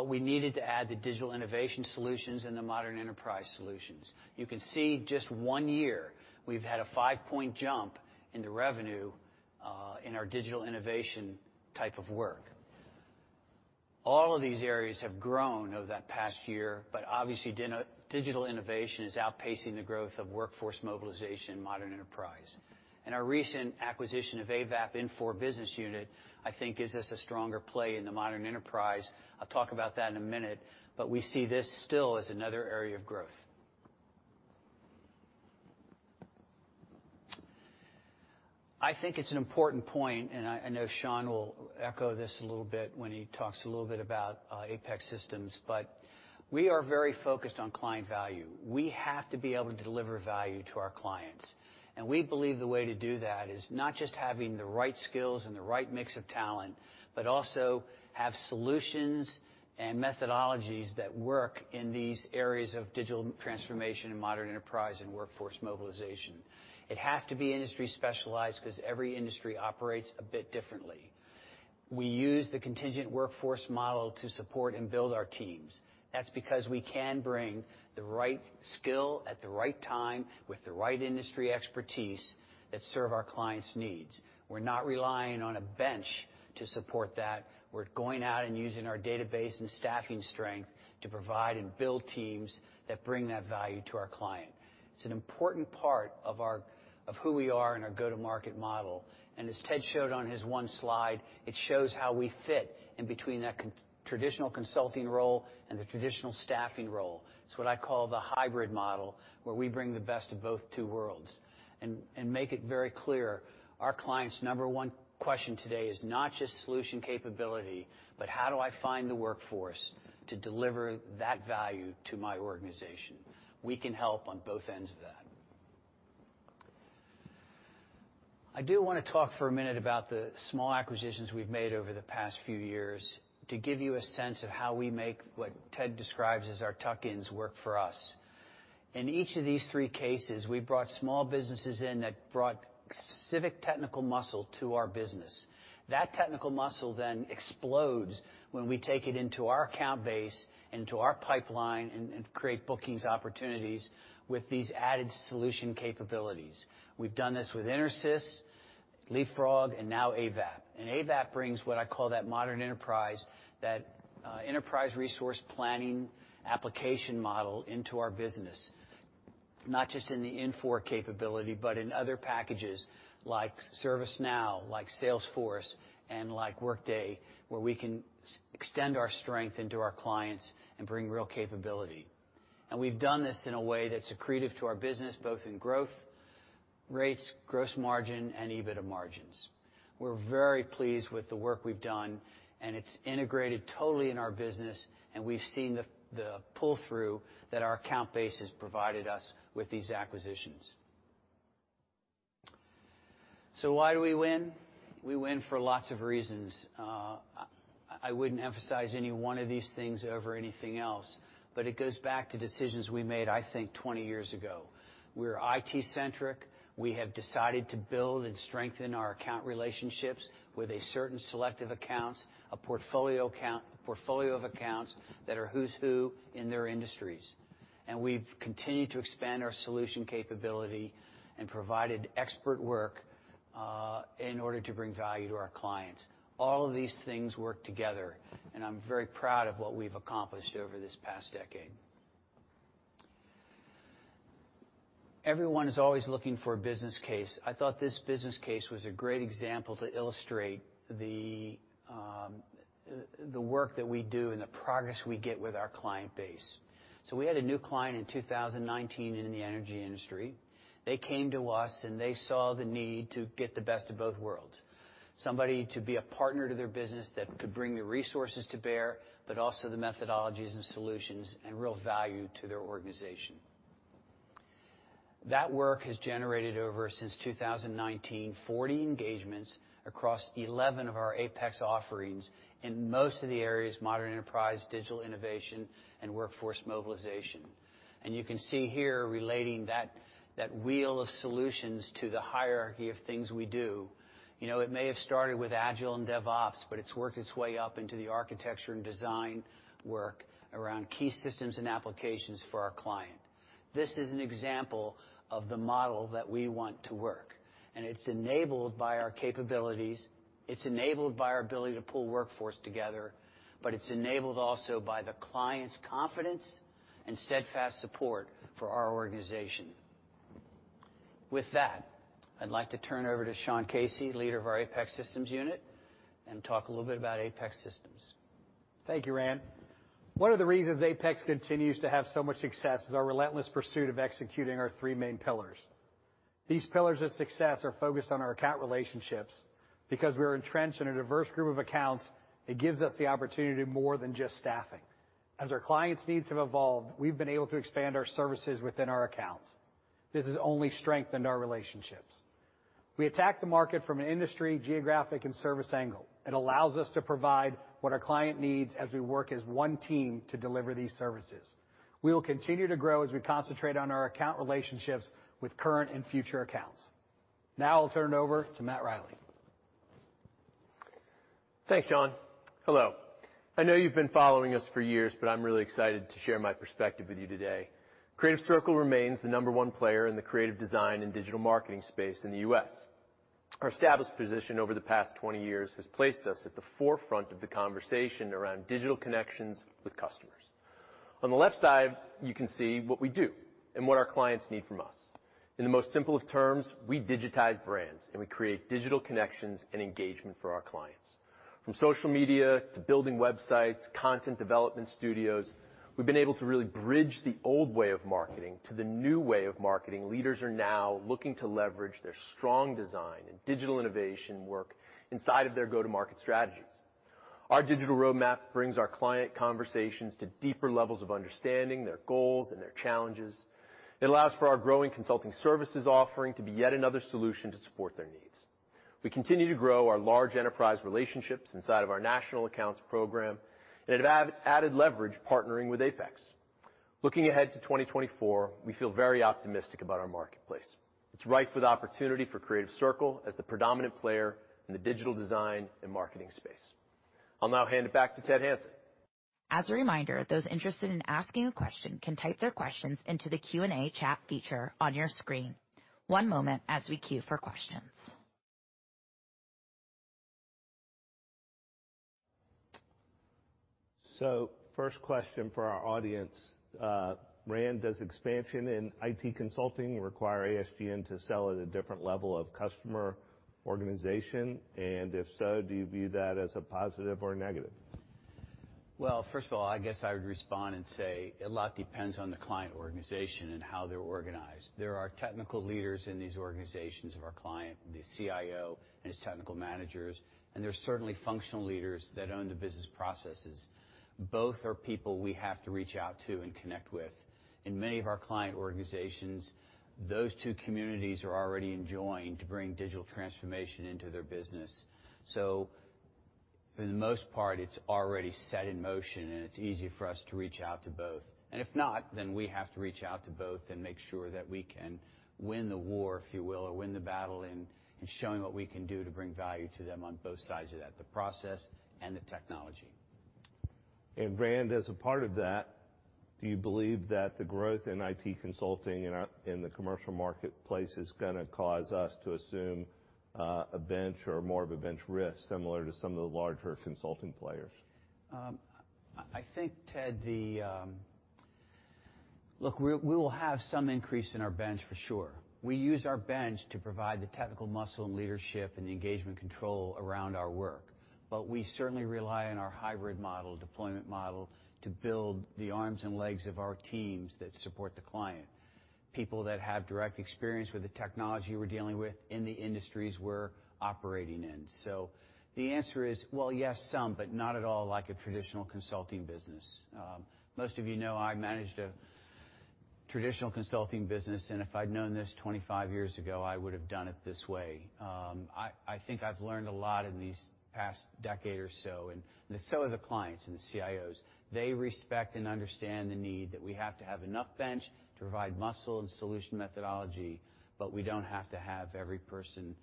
We needed to add the Digital Innovation Solutions and the Modern Enterprise Solutions. You can see just one year, we've had a five-point jump in the revenue in our Digital Innovation type of work. All of these areas have grown over that past year, but obviously, Digital Innovation is outpacing the growth of Workforce Mobilization and modern enterprise. Our recent acquisition of Avaap Infor Business Unit, I think, gives us a stronger play in the modern enterprise. I'll talk about that in a minute, but we see this still as another area of growth. I think it's an important point, and I know Sean will echo this a little bit when he talks a little bit about APEX Systems, but we are very focused on client value. We have to be able to deliver value to our clients. We believe the way to do that is not just having the right skills and the right mix of talent, but also have solutions and methodologies that work in these areas of Digital Transformation and modern enterprise and Workforce Mobilization. It has to be industry specialized because every industry operates a bit differently. We use the contingent workforce model to support and build our teams. That's because we can bring the right skill at the right time with the right industry expertise that serve our clients' needs. We're not relying on a bench to support that. We're going out and using our database and staffing strength to provide and build teams that bring that value to our client. It's an important part of who we are and our go-to-market model. As Ted showed on his one slide, it shows how we fit in between that traditional consulting role and the traditional staffing role. It's what I call the Hybrid Model, where we bring the best of both two worlds. To make it very clear, our client's number one question today is not just solution capability, but how do I find the workforce to deliver that value to my organization? We can help on both ends of that. I do want to talk for a minute about the small acquisitions we've made over the past few years to give you a sense of how we make what Ted describes as our tuck-ins work for us. In each of these three cases, we brought small businesses in that brought specific technical muscle to our business. That technical muscle then explodes when we take it into our account base and into our pipeline and create bookings opportunities with these added solution capabilities. We've done this with Intersys, LeapFrog, and now Avaap. And Avaap brings what I call that modern enterprise, that enterprise resource planning application model into our business, not just in the Infor capability, but in other packages like ServiceNow, like Salesforce, and like Workday, where we can extend our strength into our clients and bring real capability. And we've done this in a way that's accretive to our business, both in growth rates, gross margin, and EBITDA margins. We're very pleased with the work we've done, and it's integrated totally in our business, and we've seen the pull-through that our account base has provided us with these acquisitions. So why do we win? We win for lots of reasons. I wouldn't emphasize any one of these things over anything else, but it goes back to decisions we made, I think, 20 years ago. We're IT-centric. We have decided to build and strengthen our account relationships with certain selective accounts, a portfolio of accounts that are who's who in their industries. We've continued to expand our solution capability and provided expert work in order to bring value to our clients. All of these things work together, and I'm very proud of what we've accomplished over this past decade. Everyone is always looking for a business case. I thought this business case was a great example to illustrate the work that we do and the progress we get with our client base. We had a new client in 2019 in the energy industry. They came to us, and they saw the need to get the best of both worlds: somebody to be a partner to their business that could bring the resources to bear, but also the methodologies and solutions and real value to their organization. That work has generated, over since 2019, 40 engagements across 11 of our APEX offerings in most of the areas: modern enterprise, Digital Innovation, and Workforce Mobilization. You can see here relating that wheel of solutions to the hierarchy of things we do. It may have started with Agile and DevOps, but it has worked its way up into the architecture and design work around key systems and applications for our client. This is an example of the model that we want to work, and it is enabled by our capabilities. It's enabled by our ability to pull workforce together, but it's enabled also by the client's confidence and steadfast support for our organization. With that, I'd like to turn over to Sean Casey, leader of our APEX Systems unit, and talk a little bit about APEX Systems. Thank you, Rand. One of the reasons APEX continues to have so much success is our relentless pursuit of executing our three main pillars. These pillars of success are focused on our account relationships. Because we are entrenched in a diverse group of accounts, it gives us the opportunity to do more than just staffing. As our clients' needs have evolved, we've been able to expand our services within our accounts. This has only strengthened our relationships. We attack the market from an industry, geographic, and service angle. It allows us to provide what our client needs as we work as one team to deliver these services. We will continue to grow as we concentrate on our account relationships with current and future accounts. Now I'll turn it over to Matt Riley. Thanks, Sean. Hello. I know you've been following us for years, but I'm really excited to share my perspective with you today. Creative Circle remains the number one player in the creative design and digital marketing space in the U.S. Our established position over the past 20 years has placed us at the forefront of the conversation around digital connections with customers. On the left side, you can see what we do and what our clients need from us. In the most simple of terms, we digitize brands, and we create digital connections and engagement for our clients. From social media to building websites, content development studios, we've been able to really bridge the old way of marketing to the new way of marketing. Leaders are now looking to leverage their strong design and Digital Innovation work inside of their go-to-market strategies. Our Digital Roadmap brings our client conversations to deeper levels of understanding their goals and their challenges. It allows for our growing consulting services offering to be yet another solution to support their needs. We continue to grow our Large Enterprise relationships inside of our national accounts program and have added leverage partnering with APEX. Looking ahead to 2024, we feel very optimistic about our marketplace. It's rife with opportunity for Creative Circle as the predominant player in the digital design and marketing space. I'll now hand it back to Ted Hanson. As a reminder, those interested in asking a question can type their questions into the Q&A chat feature on your screen. One moment as we queue for questions. First question for our audience. Rand, does expansion in IT consulting require ASGN to sell at a different level of customer organization? And if so, do you view that as a positive or negative? First of all, I guess I would respond and say a lot depends on the client organization and how they're organized. There are technical leaders in these organizations of our client, the CIO and his Technical Managers, and there are certainly functional leaders that own the business processes. Both are people we have to reach out to and connect with. In many of our client organizations, those two communities are already in join to bring Digital Transformation into their business. For the most part, it's already set in motion, and it's easy for us to reach out to both. If not, then we have to reach out to both and make sure that we can win the war, if you will, or win the battle in showing what we can do to bring value to them on both sides of that, the process and the technology. Rand, as a part of that, do you believe that the growth in IT consulting in the Commercial marketplace is going to cause us to assume a bench or more of a bench risk similar to some of the larger consulting players? I think, Ted, look, we will have some increase in our bench for sure. We use our bench to provide the technical muscle and leadership and engagement control around our work. We certainly rely on our Hybrid Model, Deployment Model, to build the arms and legs of our teams that support the client. People that have direct experience with the technology we are dealing with in the industries we are operating in. The answer is, yes, some, but not at all like a Traditional Consulting Business. Most of you know I managed a Traditional Consulting Business, and if I had known this 25 years ago, I would have done it this way. I think I have learned a lot in these past decade or so, and so have the clients and the CIOs. They respect and understand the need that we have to have enough bench to provide muscle and solution methodology, but we don't have to have every person.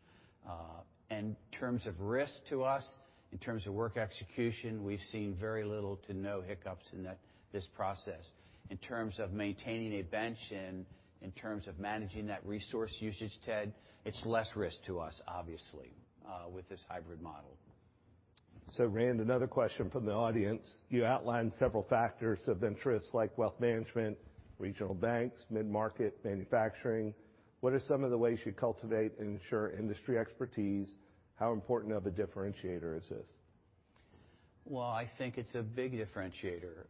In terms of risk to us, in terms of work execution, we've seen very little to no hiccups in this process. In terms of maintaining a bench and in terms of managing that resource usage, Ted, it's less risk to us, obviously, with this Hybrid Model. Rand, another question from the audience. You outlined several factors of interest like Wealth Management, regional banks, mid-market, manufacturing. What are some of the ways you cultivate and ensure industry expertise? How important of a differentiator is this? I think it's a big differentiator.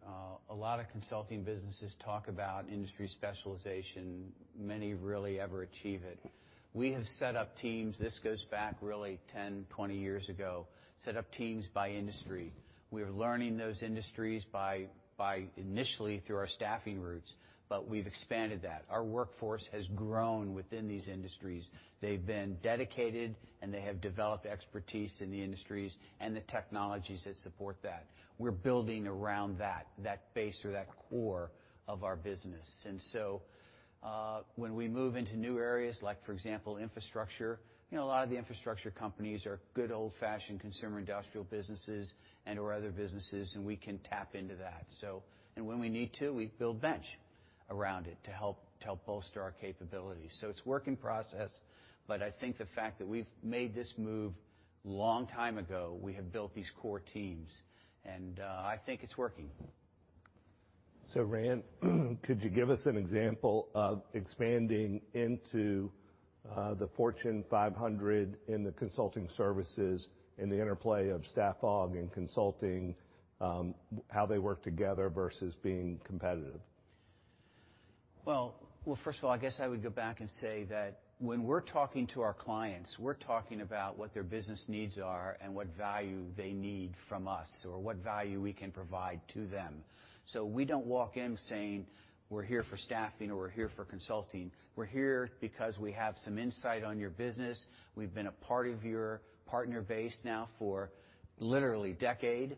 A lot of consulting businesses talk about industry specialization. Many rarely ever achieve it. We have set up teams—this goes back really 10, 20 years ago—set up teams by industry. We are learning those industries by initially through our Staffing Routes, but we've expanded that. Our workforce has grown within these industries. They've been dedicated, and they have developed expertise in the industries and the technologies that support that. We're building around that, that base or that core of our business. When we move into new areas, like for example, infrastructure, a lot of the infrastructure companies are good Old-fashioned Consumer Industrial businesses and/or other businesses, and we can tap into that. When we need to, we build bench around it to help bolster our capabilities. It is a working process, but I think the fact that we have made this move a long time ago, we have built these core teams, and I think it is working. Rand, could you give us an example of expanding into the Fortune 500 in the consulting services and the interplay of staffing and consulting, how they work together versus being competitive? First of all, I guess I would go back and say that when we're talking to our clients, we're talking about what their business needs are and what value they need from us or what value we can provide to them. We don't walk in saying, "We're here for staffing or we're here for consulting." We're here because we have some insight on your business. We've been a part of your partner base now for literally a decade.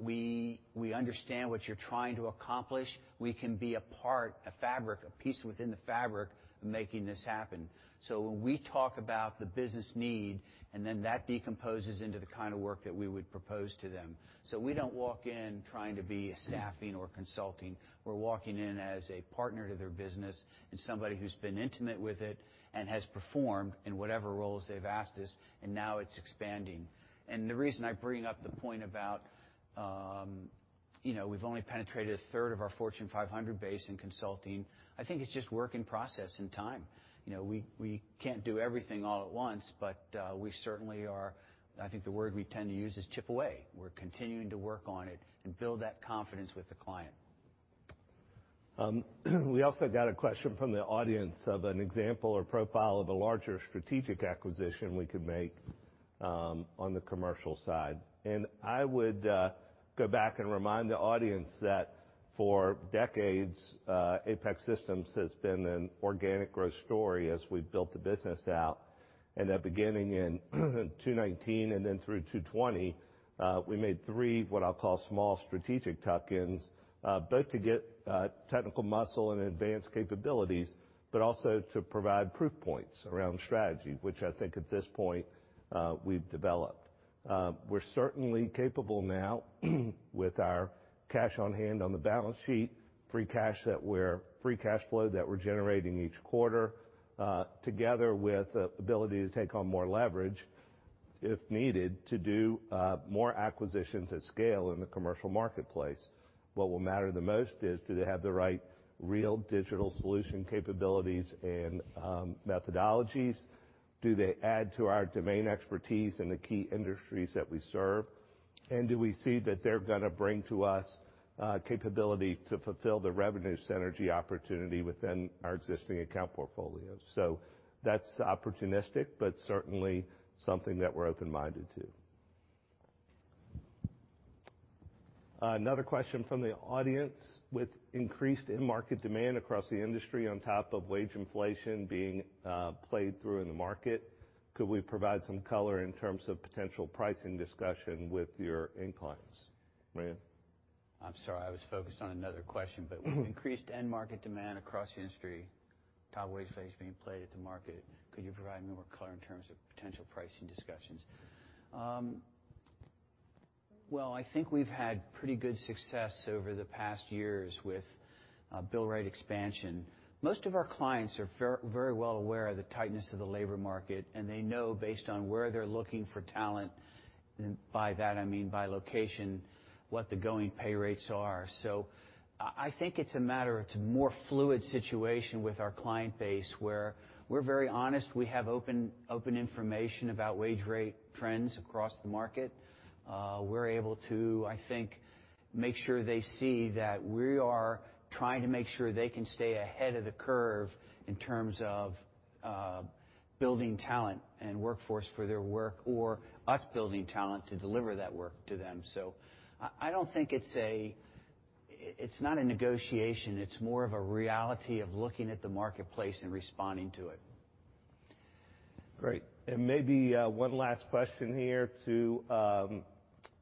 We understand what you're trying to accomplish. We can be a part, a fabric, a piece within the fabric of making this happen. When we talk about the business need, and then that decomposes into the kind of work that we would propose to them. We don't walk in trying to be staffing or consulting. We're walking in as a partner to their business and somebody who's been intimate with it and has performed in whatever roles they've asked us, and now it's expanding. The reason I bring up the point about we've only penetrated a third of our Fortune 500 base in consulting, I think it's just work in process and time. We can't do everything all at once, but we certainly are—I think the word we tend to use is chip away. We're continuing to work on it and build that confidence with the client. We also got a question from the audience of an example or profile of a larger strategic acquisition we could make on the Commercial side. I would go back and remind the audience that for decades, APEX Systems has been an organic growth story as we've built the business out. That beginning in 2019 and then through 2020, we made three what I'll call small strategic tuck-ins, both to get technical muscle and advanced capabilities, but also to provide proof points around strategy, which I think at this point we've developed. We're certainly capable now with our cash on hand on the Balance Sheet, Free Cash free Cash Flow that we're generating each quarter, together with the ability to take on more leverage if needed to do more acquisitions at scale in the Commercial marketplace. What will matter the most is do they have the right real digital solution capabilities and methodologies? Do they add to our domain expertise in the key industries that we serve? Do we see that they're going to bring to us capability to fulfill the revenue synergy opportunity within our existing account portfolio? That is opportunistic, but certainly something that we're open-minded to. Another question from the audience: with increased in-market demand across the industry on top of wage inflation being played through in the market, could we provide some color in terms of potential pricing discussion with your inclines? Rand? I'm sorry. I was focused on another question, but with increased end-market demand across the industry, top wage rates being paid at the market, could you provide more color in terms of potential pricing discussions? I think we've had pretty good success over the past years with bill rate expansion. Most of our clients are very well aware of the tightness of the labor market, and they know based on where they're looking for talent, and by that I mean by location, what the going pay rates are. I think it's a matter of it's a more fluid situation with our client base where we're very honest. We have open information about wage rate trends across the market. We're able to, I think, make sure they see that we are trying to make sure they can stay ahead of the curve in terms of building talent and workforce for their work or us building talent to deliver that work to them. I don't think it's a—it's not a negotiation. It's more of a reality of looking at the marketplace and responding to it. Great. Maybe one last question here to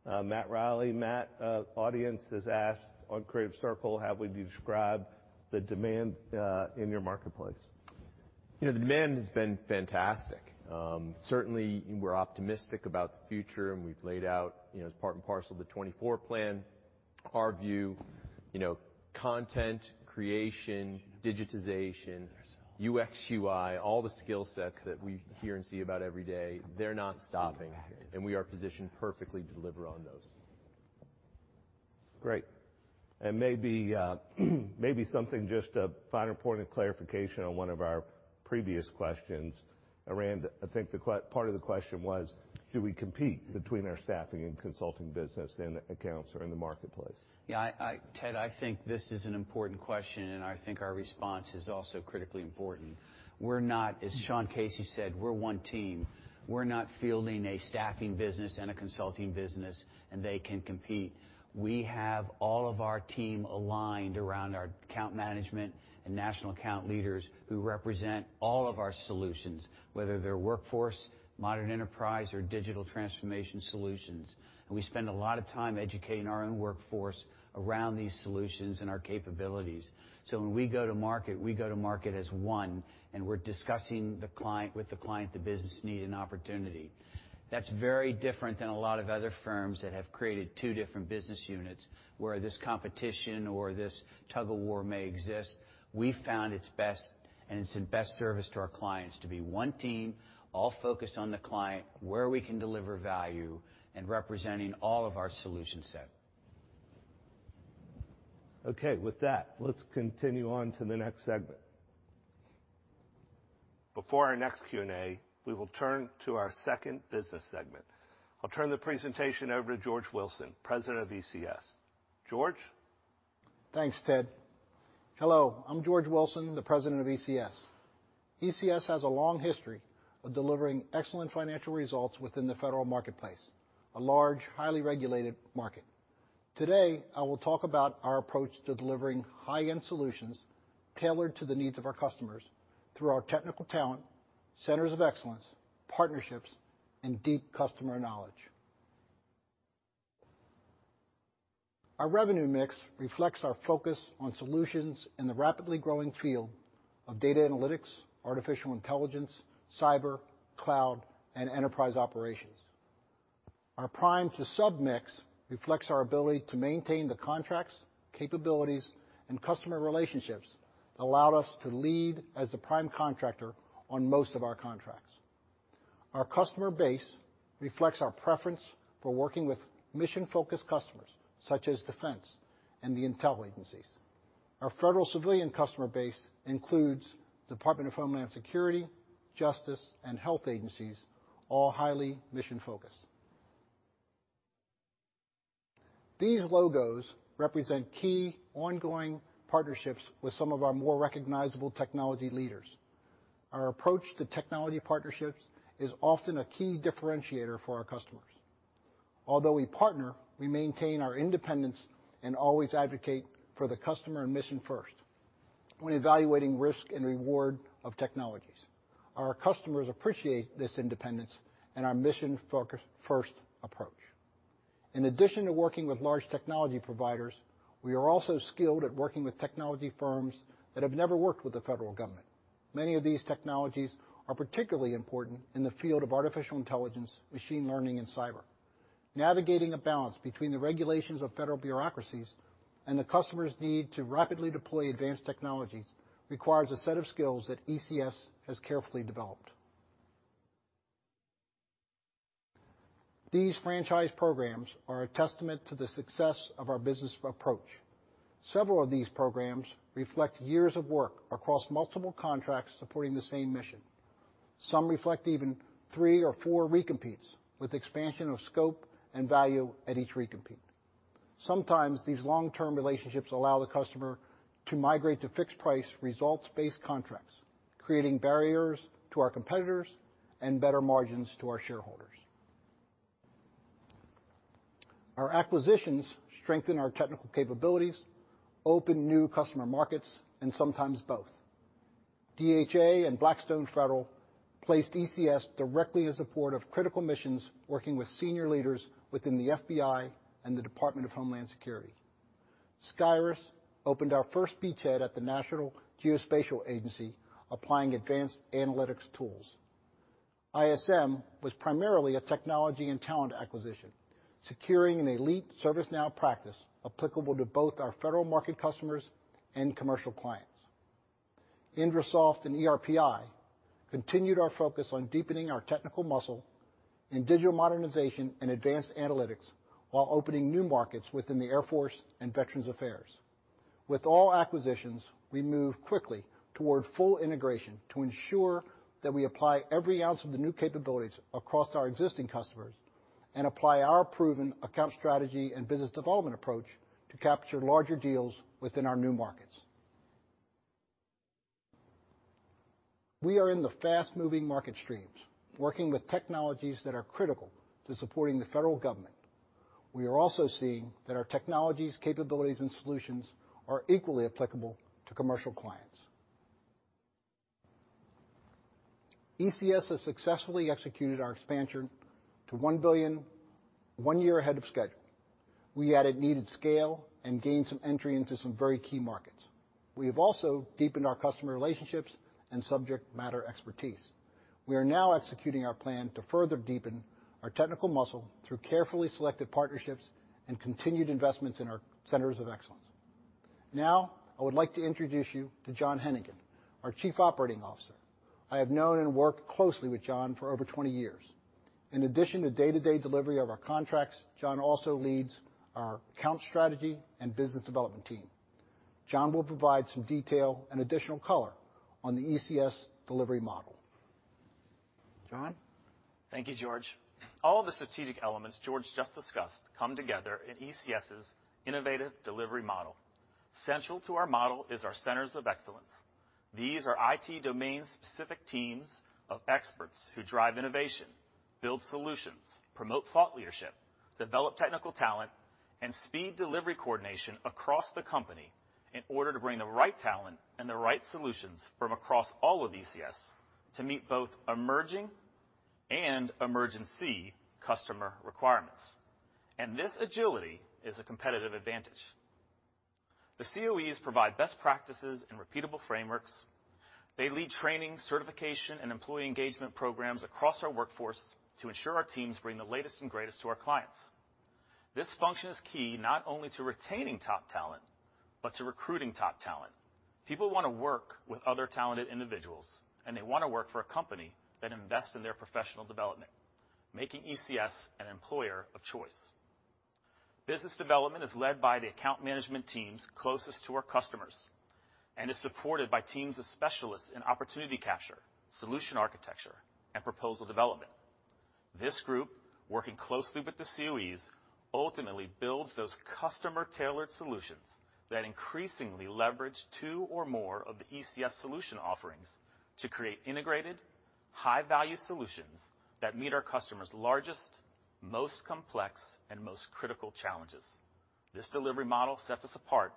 Matt Riley. Matt, the audience has asked on Creative Circle, how would you describe the demand in your marketplace? The demand has been fantastic. Certainly, we're optimistic about the future, and we've laid out as part and parcel of the 2024 plan, our view, content creation, digitization, UX/UI, all the skill sets that we hear and see about every day. They're not stopping, and we are positioned perfectly to deliver on those. Great. Maybe something, just a finer point of clarification on one of our previous questions. Rand, I think part of the question was, do we compete between our staffing and consulting business in accounts or in the marketplace? Yeah. Ted, I think this is an important question, and I think our response is also critically important. We're not, as Sean Casey said, we're one team. We're not fielding a staffing business and a consulting business, and they can compete. We have all of our team aligned around our Account Management and National Account Leaders who represent all of our solutions, whether they're workforce, modern enterprise, or Digital Transformation solutions. We spend a lot of time educating our own workforce around these solutions and our capabilities. When we go to market, we go to market as one, and we're discussing with the client the business need and opportunity. That's very different than a lot of other firms that have created two different business units where this competition or this Tug-of-war may exist. We found it's best, and it's in best service to our clients to be one team, all focused on the client, where we can deliver value, and representing all of our solution set. Okay. With that, let's continue on to the next segment. Before our next Q&A, we will turn to our second business segment. I'll turn the presentation over to George Wilson, President of ECS. George? Thanks, Ted. Hello. I'm George Wilson, the President of ECS. ECS has a long history of delivering excellent financial results within the Federal marketplace, a large, highly regulated market. Today, I will talk about our approach to delivering High-end solutions tailored to the needs of our customers through our technical talent, centers of excellence, partnerships, and deep customer knowledge. Our revenue mix reflects our focus on solutions in the rapidly growing field of Data Analytics, Artificial Intelligence, Cyber, Cloud, and Enterprise Operations. Our prime-to-sub mix reflects our ability to maintain the contracts, capabilities, and customer relationships that allowed us to lead as the prime contractor on most of our contracts. Our customer base reflects our preference for working with mission-focused customers such as defense and the Intel agencies. Our Federal civilian customer base includes the Department of Homeland Security, Justice, and Health Agencies, all highly mission-focused. These logos represent key ongoing partnerships with some of our more recognizable technology leaders. Our approach to technology partnerships is often a key differentiator for our customers. Although we partner, we maintain our independence and always advocate for the customer and mission first when evaluating risk and reward of technologies. Our customers appreciate this independence and our mission-focused first approach. In addition to working with large technology providers, we are also skilled at working with technology firms that have never worked with the Federal Government. Many of these technologies are particularly important in the field of Artificial Intelligence, Machine Learning, and Cyber. Navigating a balance between the regulations of Federal bureaucracies and the customer's need to rapidly deploy advanced technologies requires a set of skills that ECS has carefully developed. These franchise programs are a testament to the success of our business approach. Several of these programs reflect years of work across multiple contracts supporting the same mission. Some reflect even three or four recompetes with expansion of scope and value at each recompete. Sometimes these long-term relationships allow the customer to migrate to fixed-price results-based contracts, creating barriers to our competitors and better margins to our shareholders. Our acquisitions strengthen our technical capabilities, open new customer markets, and sometimes both. DHA and Blackstone Federal placed ECS directly as a part of critical missions working with senior leaders within the FBI and the Department of Homeland Security. Skyris opened our first beachhead at the National Geospatial Agency, applying Advanced Analytics Tools. ISM was primarily a technology and talent acquisition, securing an elite ServiceNow practice applicable to both our Federal market customers and Commercial clients. IndraSoft and ERPI continued our focus on deepening our technical muscle in digital modernization and advanced analytics while opening new markets within the Air Force and Veterans Affairs. With all acquisitions, we move quickly toward full integration to ensure that we apply every ounce of the new capabilities across our existing customers and apply our proven account strategy and business development approach to capture larger deals within our new markets. We are in the fast-moving market streams, working with technologies that are critical to supporting the Federal Government. We are also seeing that our technologies, capabilities, and solutions are equally applicable to Commercial clients. ECS has successfully executed our expansion to $1 billion one year ahead of schedule. We added needed scale and gained some entry into some very key markets. We have also deepened our customer relationships and subject matter expertise. We are now executing our plan to further deepen our technical muscle through carefully selected partnerships and continued investments in our centers of excellence. Now, I would like to introduce you to John Heneghan, our Chief Operating Officer. I have known and worked closely with John for over 20 years. In addition to day-to-day delivery of our contracts, John also leads our account strategy and business development team. John will provide some detail and additional color on the ECS delivery model. John? Thank you, George. All of the strategic elements George just discussed come together in ECS's innovative delivery model. Central to our model is our centers of excellence. These are IT domain-specific teams of experts who drive innovation, build solutions, promote thought leadership, develop technical talent, and speed delivery coordination across the company in order to bring the right talent and the right solutions from across all of ECS to meet both emerging and emergency customer requirements. This agility is a competitive advantage. The COEs provide best practices and repeatable frameworks. They lead training, certification, and employee engagement programs across our workforce to ensure our teams bring the latest and greatest to our clients. This function is key not only to retaining top talent, but to recruiting top talent. People want to work with other talented individuals, and they want to work for a company that invests in their professional development, making ECS an employer of choice. Business development is led by the Account Management teams closest to our customers and is supported by teams of specialists in opportunity capture, solution architecture, and proposal development. This group, working closely with the COEs, ultimately builds those customer-tailored solutions that increasingly leverage two or more of the ECS solution offerings to create integrated, high-value solutions that meet our customers' largest, most complex, and most critical challenges. This delivery model sets us apart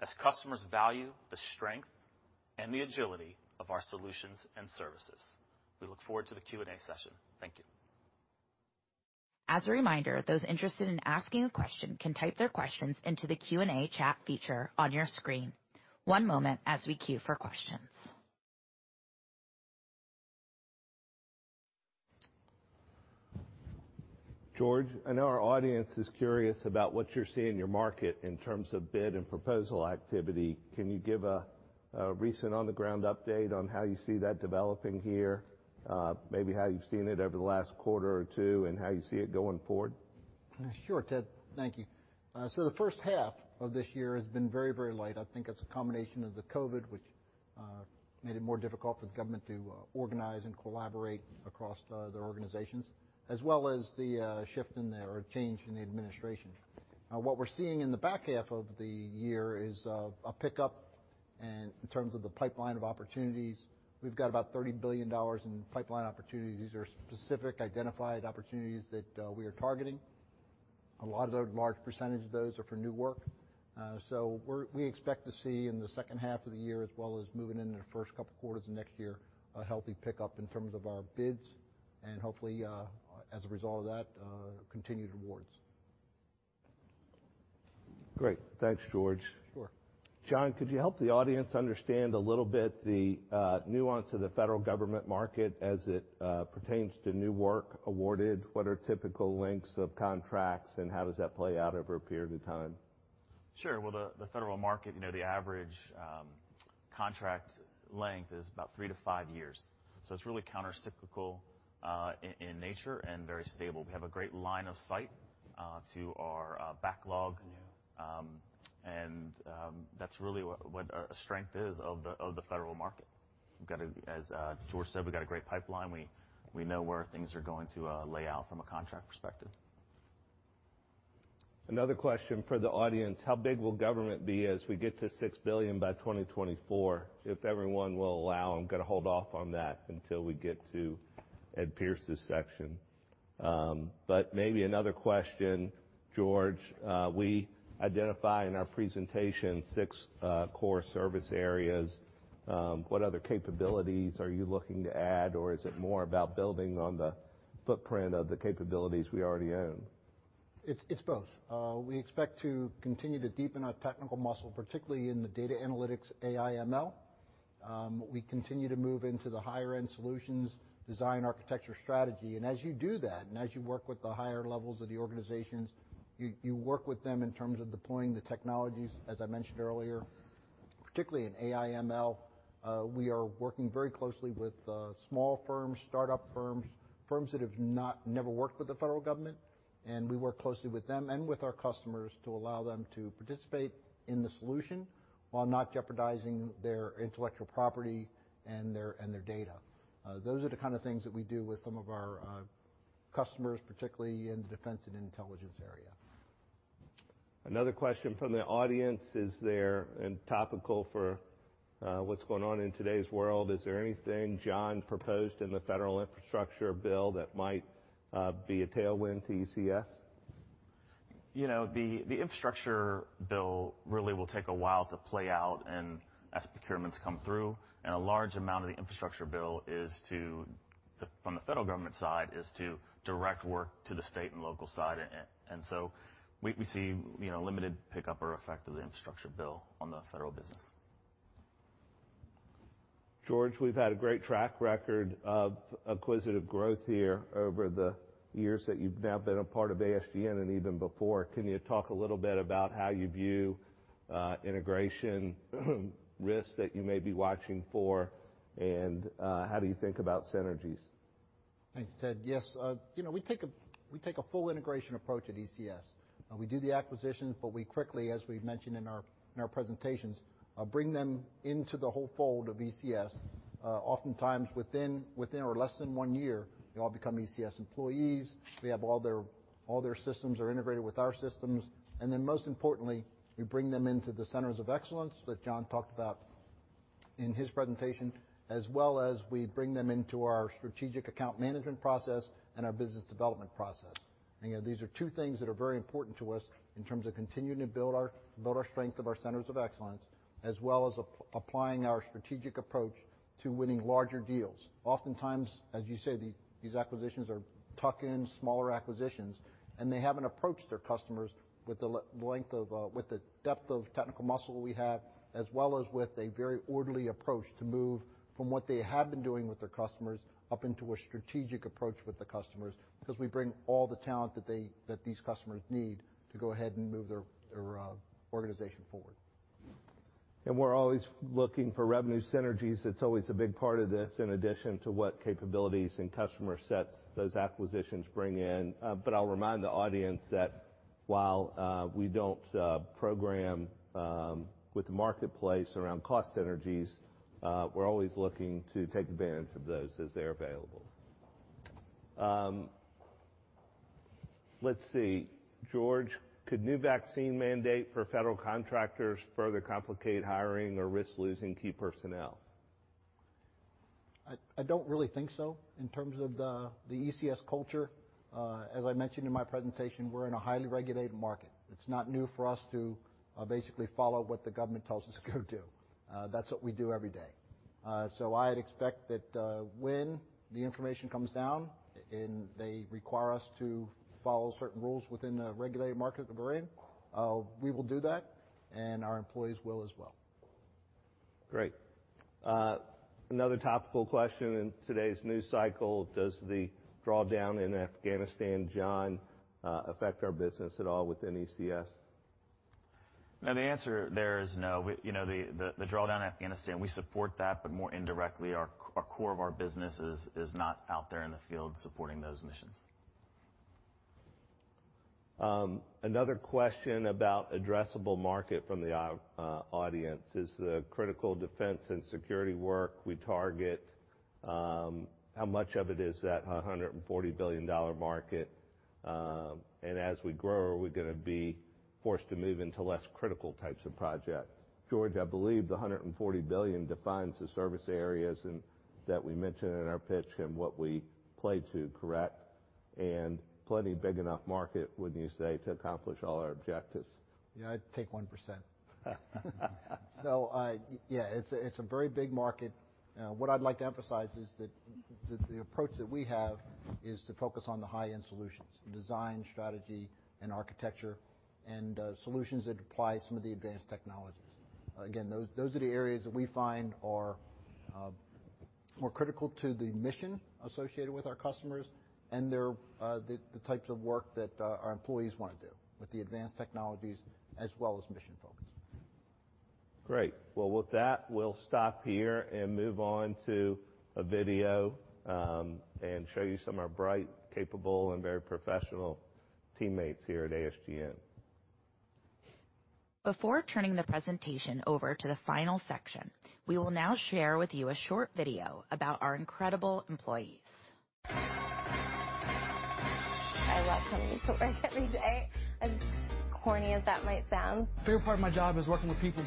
as customers value the strength and the agility of our solutions and services. We look forward to the Q&A session. Thank you. As a reminder, those interested in asking a question can type their questions into the Q&A chat feature on your screen. One moment as we queue for questions. George, I know our audience is curious about what you're seeing in your market in terms of bid and proposal activity. Can you give a recent on-the-ground update on how you see that developing here, maybe how you've seen it over the last quarter or two, and how you see it going forward? Sure, Ted. Thank you. The 1st half of this year has been very, very light. I think it's a combination of the COVID, which made it more difficult for the Government to organize and collaborate across the organizations, as well as the shift in there or change in the administration. What we're seeing in the back half of the year is a pickup in terms of the pipeline of opportunities. We've got about $30 billion in pipeline opportunities. These are specific identified opportunities that we are targeting. A lot of those, a large percentage of those, are for new work. We expect to see in the 2nd half of the year, as well as moving into the 1st couple of quarters of next year, a healthy pickup in terms of our bids and hopefully, as a result of that, continued awards. Great. Thanks, George. Sure. John, could you help the audience understand a little bit the nuance of the Federal Government market as it pertains to new work awarded? What are typical lengths of contracts, and how does that play out over a period of time? Sure. The Federal market, the average contract length is about three to five years. It is really countercyclical in nature and very stable. We have a great line of sight to our backlog, and that is really what a strength is of the Federal market. As George said, we have got a great pipeline. We know where things are going to lay out from a contract perspective. Another question for the audience. How big will Government be as we get to $6 billion by 2024 if everyone will allow? I'm going to hold off on that until we get to Ed Pierce's section. Maybe another question, George. We identify in our presentation six core service areas. What other capabilities are you looking to add, or is it more about building on the footprint of the capabilities we already own? It's both. We expect to continue to deepen our technical muscle, particularly in the Data Analytics, AI/ML. We continue to move into the higher-end solutions, design architecture strategy. As you do that, and as you work with the higher levels of the organizations, you work with them in terms of deploying the technologies, as I mentioned earlier. Particularly in AI/ML, we are working very closely with small firms, startup firms, firms that have never worked with the Federal Government. We work closely with them and with our customers to allow them to participate in the solution while not jeopardizing their intellectual property and their data. Those are the kind of things that we do with some of our customers, particularly in the Defense and Intelligence area. Another question from the audience. Is there, and topical for what's going on in today's world, is there anything John proposed in the Federal infrastructure bill that might be a tailwind to ECS? The infrastructure bill really will take a while to play out as procurements come through. A large amount of the infrastructure bill from the Federal Government side is to direct work to the state and local side. We see limited pickup or effect of the Infrastructure bill on the Federal business. George, we've had a great track record of acquisitive growth here over the years that you've now been a part of ASGN and even before. Can you talk a little bit about how you view integration risks that you may be watching for, and how do you think about synergies? Thanks, Ted. Yes. We take a full integration approach at ECS. We do the acquisitions, but we quickly, as we've mentioned in our presentations, bring them into the whole fold of ECS. Oftentimes, within or less than one year, they all become ECS employees. We have all their systems integrated with our systems. Most importantly, we bring them into the centers of excellence that John talked about in his presentation, as well as we bring them into our strategic Account Management process and our business development process. These are two things that are very important to us in terms of continuing to build our strength of our centers of excellence, as well as applying our strategic approach to winning larger deals. Oftentimes, as you say, these acquisitions are tuck-in, smaller acquisitions, and they haven't approached their customers with the length of, with the depth of technical muscle we have, as well as with a very orderly approach to move from what they have been doing with their customers up into a strategic approach with the customers because we bring all the talent that these customers need to go ahead and move their organization forward. We're always looking for revenue synergies. It's always a big part of this, in addition to what capabilities and customer sets those acquisitions bring in. I'll remind the audience that while we don't program with the marketplace around cost synergies, we're always looking to take advantage of those as they're available. Let's see. George, could new vaccine mandate for Federal contractors further complicate hiring or risk losing key personnel? I don't really think so in terms of the ECS culture. As I mentioned in my presentation, we're in a highly regulated market. It's not new for us to basically follow what the Government tells us to go do. That's what we do every day. I would expect that when the information comes down and they require us to follow certain rules within the regulated market that we're in, we will do that, and our employees will as well. Great. Another topical question in today's news cycle. Does the drawdown in Afghanistan, John, affect our business at all within ECS? The answer there is no. The drawdown in Afghanistan, we support that, but more indirectly, our core of our business is not out there in the field supporting those missions. Another question about addressable market from the audience. Is the critical defense and security work we target, how much of it is that $140 billion market? As we grow, are we going to be forced to move into less critical types of projects? George, I believe the $140 billion defines the service areas that we mentioned in our pitch and what we play to, correct? Plenty big enough market, wouldn't you say, to accomplish all our objectives? Yeah, I'd take 1%. So yeah, it's a very big market. What I'd like to emphasize is that the approach that we have is to focus on the High-end solutions: Design, Strategy, and Architecture, and solutions that apply some of the advanced technologies. Again, those are the areas that we find are more critical to the mission associated with our customers and the types of work that our employees want to do with the advanced technologies, as well as mission focus. Great. With that, we'll stop here and move on to a video and show you some of our bright, capable, and very professional teammates here at ASGN. Before turning the presentation over to the final section, we will now share with you a short video about our incredible employees. I love coming into work every day, as corny as that might sound. The bigger part of my job is working with people.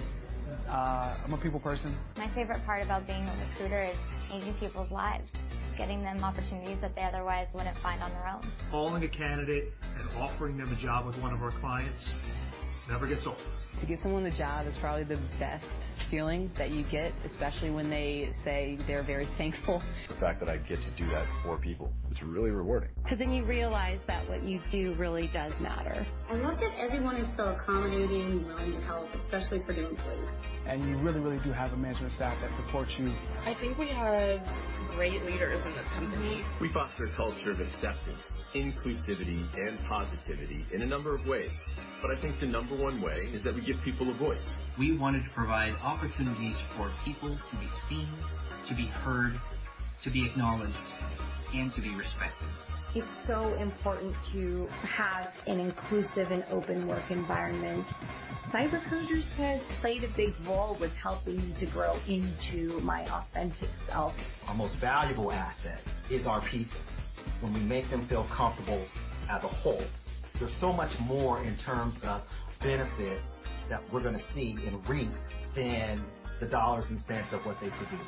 I'm a people person. My favorite part about being a recruiter is changing people's lives, getting them opportunities that they otherwise wouldn't find on their own. Calling a candidate and offering them a job with one of our clients never gets old. To get someone the job is probably the best feeling that you get, especially when they say they're very thankful. The fact that I get to do that for people, it's really rewarding. Because then you realize that what you do really does matter. I love that everyone is so accommodating and willing to help, especially for new employees. You really, really do have a Management Staff that supports you. I think we have great leaders in this company. We foster a culture of acceptance, inclusivity, and positivity in a number of ways. I think the number one way is that we give people a voice. We wanted to provide opportunities for people to be seen, to be heard, to be acknowledged, and to be respected. It's so important to have an inclusive and open work environment. CyberCoders has played a big role with helping me to grow into my authentic self. A most valuable asset is our people. When we make them feel comfortable as a whole, there is so much more in terms of benefits that we are going to see and reap than the dollars and cents of what they produce.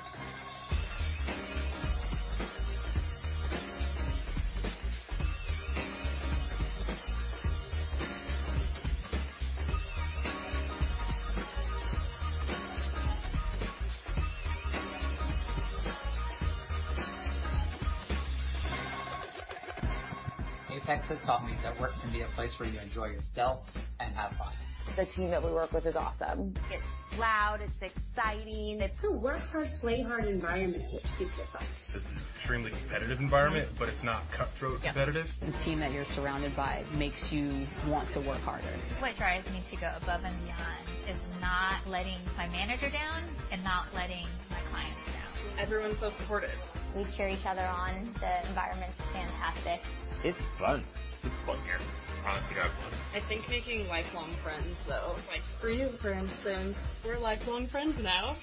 Systems has taught me that work can be a place where you enjoy yourself and have fun. The team that we work with is awesome. It's loud. It's exciting. It's a work-hard, play-hard environment, which keeps us up. It's an extremely competitive environment, but it's not cutthroat competitive. The team that you're surrounded by makes you want to work harder. What drives me to go above and beyond is not letting my manager down and not letting my clients down. Everyone's so supportive. We cheer each other on. The environment's fantastic. It's fun. It's fun here. I honestly have fun. I think making lifelong friends, though. Like Freya, for instance. We're lifelong friends now.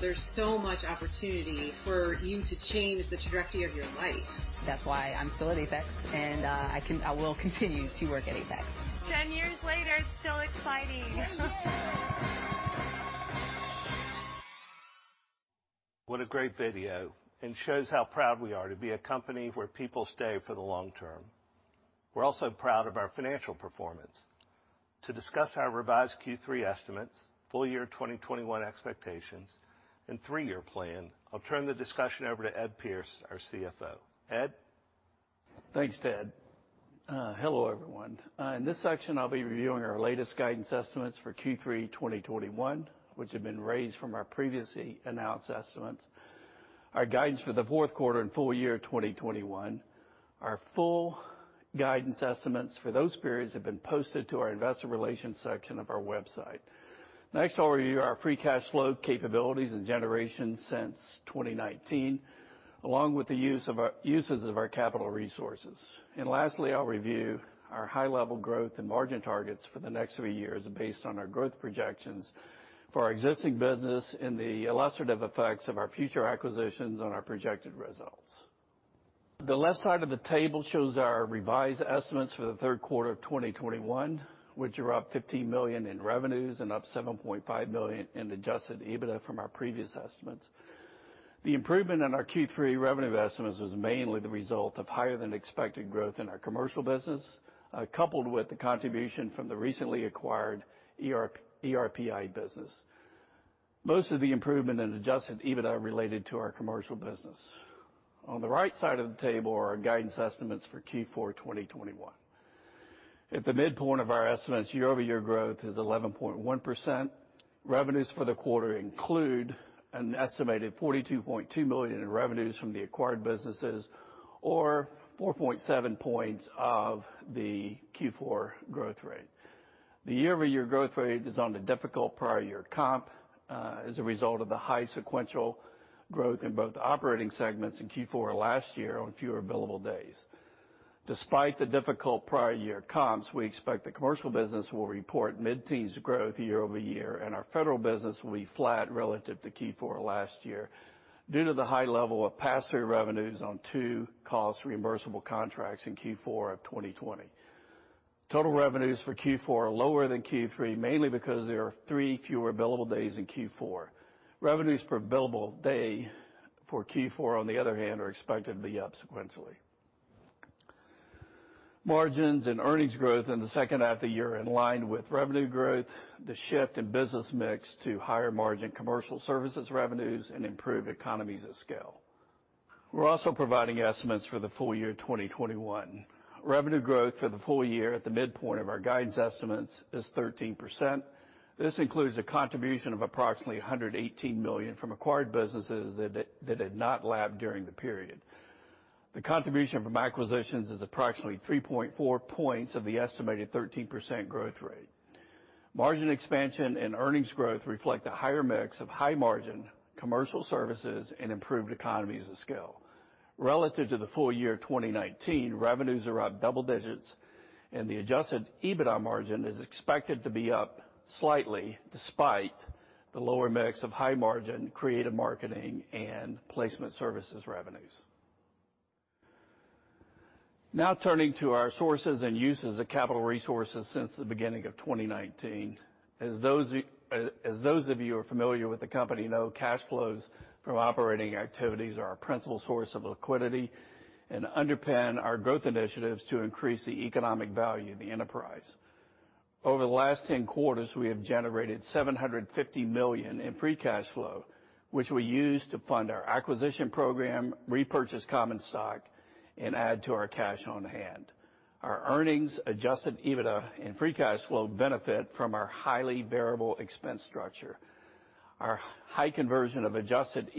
There's so much opportunity for you to change the trajectory of your life. That's why I'm still at APEX Systems, and I will continue to work at APEX. Ten years later, it's still exciting. What a great video. It shows how proud we are to be a company where people stay for the long term. We're also proud of our financial performance. To discuss our revised Q3 estimates, full year 2021 expectations, and three-year plan, I'll turn the discussion over to Ed Pierce, our CFO. Ed? Thanks, Ted. Hello, everyone. In this section, I'll be reviewing our latest guidance estimates for Q3 2021, which have been raised from our previously announced estimates. Our guidance for the 4th quarter and full year 2021. Our full guidance estimates for those periods have been posted to our investor relations section of our website. Next, I'll free Cash Flow capabilities and generation since 2019, along with the uses of our capital resources. Lastly, I'll review our high-level growth and margin targets for the next three years based on our growth projections for our existing business and the illustrative effects of our future acquisitions on our projected results. The left side of the table shows our revised estimates for the third quarter of 2021, which are up $15 million in revenues and up $7.5 million in adjusted EBITDA from our previous estimates. The improvement in our Q3 revenue estimates was mainly the result of higher-than-expected growth in our Commercial business, coupled with the contribution from the recently acquired ERPI business. Most of the improvement in adjusted EBITDA related to our Commercial business. On the right side of the table are our guidance estimates for Q4 2021. At the midpoint of our estimates, year-over-year growth is 11.1%. Revenues for the quarter include an estimated $42.2 million in revenues from the acquired businesses, or 4.7 percentage points of the Q4 growth rate. The year-over-year growth rate is on a difficult prior-year comp as a result of the high sequential growth in both operating segments in Q4 last year on fewer billable days. Despite the difficult prior-year comps, we expect the Commercial business will report mid-teens growth year-over-year, and our Federal business will be flat relative to Q4 last year due to the high level of pass-through revenues on two cost-reimbursable contracts in Q4 of 2020. Total revenues for Q4 are lower than Q3, mainly because there are three fewer billable days in Q4. Revenues per billable day for Q4, on the other hand, are expected to be up sequentially. Margins and earnings growth in the second half of the year are in line with revenue growth, the shift in business mix to higher-margin Commercial services revenues, and improved economies of scale. We're also providing estimates for the full year 2021. Revenue growth for the full year at the midpoint of our guidance estimates is 13%. This includes a contribution of approximately $118 million from acquired businesses that had not lapped during the period. The contribution from acquisitions is approximately 3.4 points of the estimated 13% growth rate. Margin expansion and earnings growth reflect a higher mix of high-margin Commercial services and improved economies of scale. Relative to the full year 2019, revenues are up double digits, and the adjusted EBITDA margin is expected to be up slightly despite the lower mix of high-margin, creative marketing, and placement services revenues. Now turning to our sources and uses of capital resources since the beginning of 2019. As those of you who are familiar with the company know, Cash Flows from operating activities are our principal source of liquidity and underpin our growth initiatives to increase the economic value of the enterprise. Over the last 10 quarters, we have generated $750 free Cash Flow, which we use to fund our acquisition program, repurchase common stock, and add to our cash on hand. Our earnings, adjusted free Cash Flow benefit from our highly variable expense structure. Our high conversion of adjusted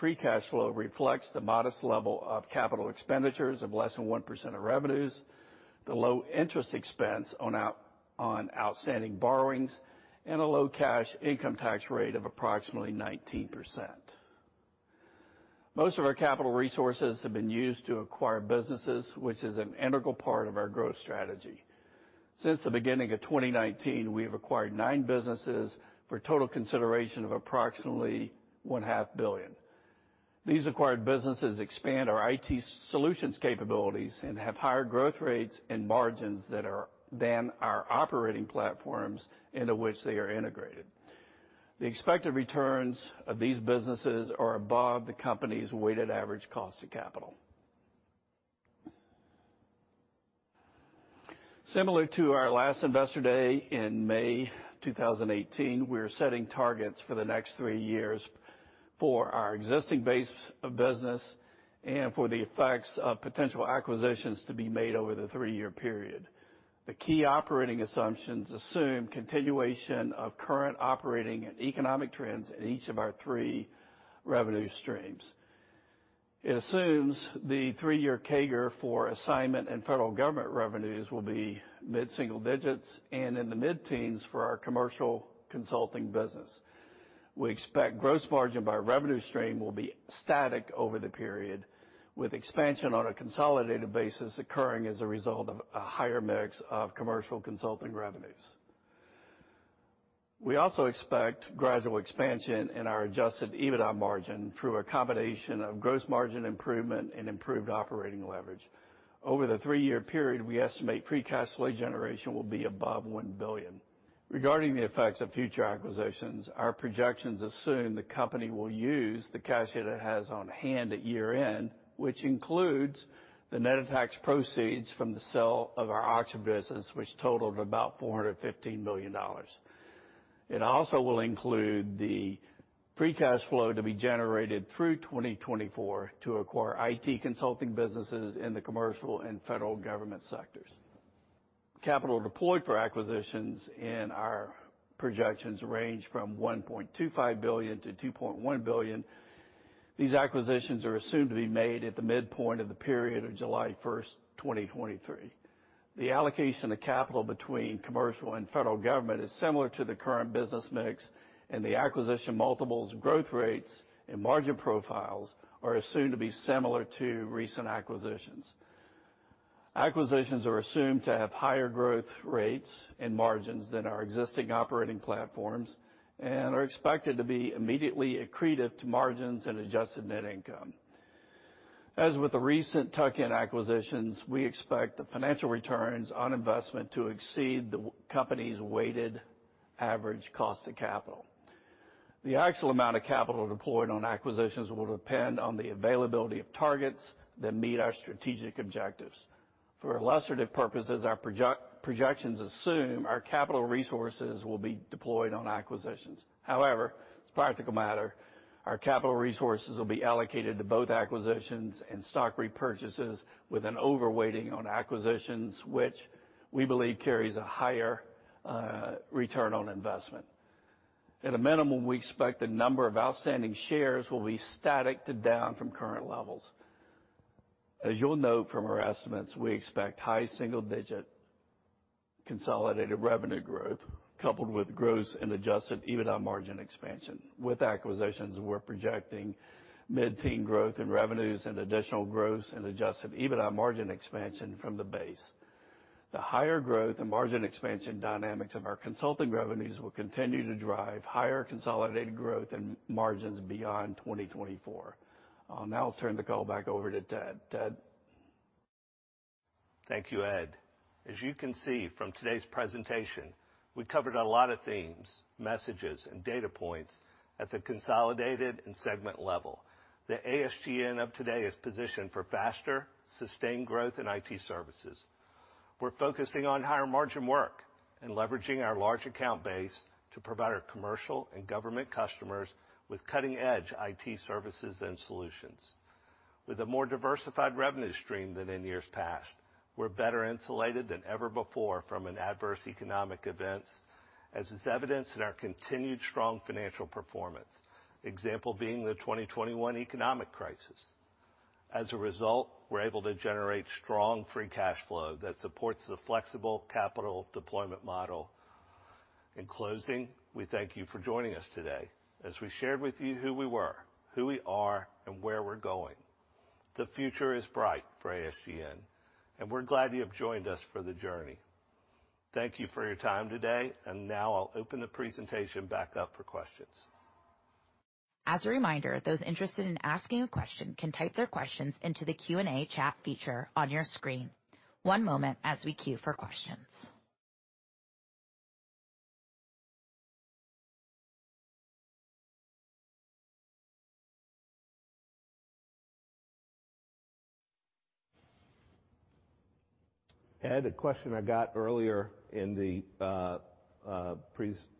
free Cash Flow reflects the modest level of capital expenditures of less than 1% of revenues, the low interest expense on outstanding borrowings, and a low cash income tax rate of approximately 19%. Most of our capital resources have been used to acquire businesses, which is an integral part of our growth strategy. Since the beginning of 2019, we have acquired nine businesses for a total consideration of approximately $1.5 billion. These acquired businesses expand our IT solutions capabilities and have higher growth rates and margins than our operating platforms into which they are integrated. The expected returns of these businesses are above the company's weighted average cost of capital. Similar to our last Investor Day in May 2018, we are setting targets for the next three years for our existing base of business and for the effects of potential acquisitions to be made over the three-year period. The key operating assumptions assume continuation of current operating and economic trends in each of our three revenue streams. It assumes the three-year CAGR for assignment and Federal Government revenues will be mid-single digits and in the mid-teens for our Commercial consulting business. We expect gross margin by revenue stream will be static over the period, with expansion on a consolidated basis occurring as a result of a higher mix of Commercial consulting revenues. We also expect gradual expansion in our adjusted EBITDA margin through a combination of gross margin improvement and improved operating leverage. Over the three-year period, free Cash Flow generation will be above $1 billion. Regarding the effects of future acquisitions, our projections assume the company will use the cash it has on hand at year-end, which includes the net of tax proceeds from the sale of our auction business, which totaled about $415 million. It also will free Cash Flow to be generated through 2024 to acquire IT consulting businesses in the Commercial and Federal Government sectors. Capital deployed for acquisitions in our projections range from $1.25 billion-$2.1 billion. These acquisitions are assumed to be made at the midpoint of the period of July 1st, 2023. The allocation of capital between Commercial and Federal Government is similar to the current business mix, and the acquisition multiples, growth rates, and margin profiles are assumed to be similar to recent acquisitions. Acquisitions are assumed to have higher growth rates and margins than our existing operating platforms and are expected to be immediately accretive to margins and adjusted net income. As with the recent tuck-in acquisitions, we expect the financial returns on investment to exceed the company's weighted average cost of capital. The actual amount of capital deployed on acquisitions will depend on the availability of targets that meet our strategic objectives. For illustrative purposes, our projections assume our capital resources will be deployed on acquisitions. However, it's a practical matter. Our capital resources will be allocated to both acquisitions and stock repurchases with an overweighting on acquisitions, which we believe carries a higher return on investment. At a minimum, we expect the number of outstanding shares will be static to down from current levels. As you'll note from our estimates, we expect high single-digit consolidated revenue growth coupled with gross and adjusted EBITDA margin expansion. With acquisitions, we're projecting mid-teens growth in revenues and additional gross and adjusted EBITDA margin expansion from the base. The higher growth and margin expansion dynamics of our consulting revenues will continue to drive higher consolidated growth and margins beyond 2024. I'll now turn the call back over to Ted. Ted. Thank you, Ed. As you can see from today's presentation, we covered a lot of themes, messages, and data points at the consolidated and segment level. The ASGN of today is positioned for faster, sustained growth in IT services. We're focusing on higher margin work and leveraging our large account base to provide our Commercial and Government customers with cutting-edge IT services and solutions. With a more diversified revenue stream than in years past, we're better insulated than ever before from adverse economic events, as is evidenced in our continued strong financial performance, example being the 2021 economic crisis. As a result, we're able to free Cash Flow that supports the Flexible Capital Deployment model. In closing, we thank you for joining us today as we shared with you who we were, who we are, and where we're going. The future is bright for ASGN, and we're glad you have joined us for the journey. Thank you for your time today, and now I'll open the presentation back up for questions. As a reminder, those interested in asking a question can type their questions into the Q&A chat feature on your screen. One moment as we queue for questions. Ed, a question I got earlier in the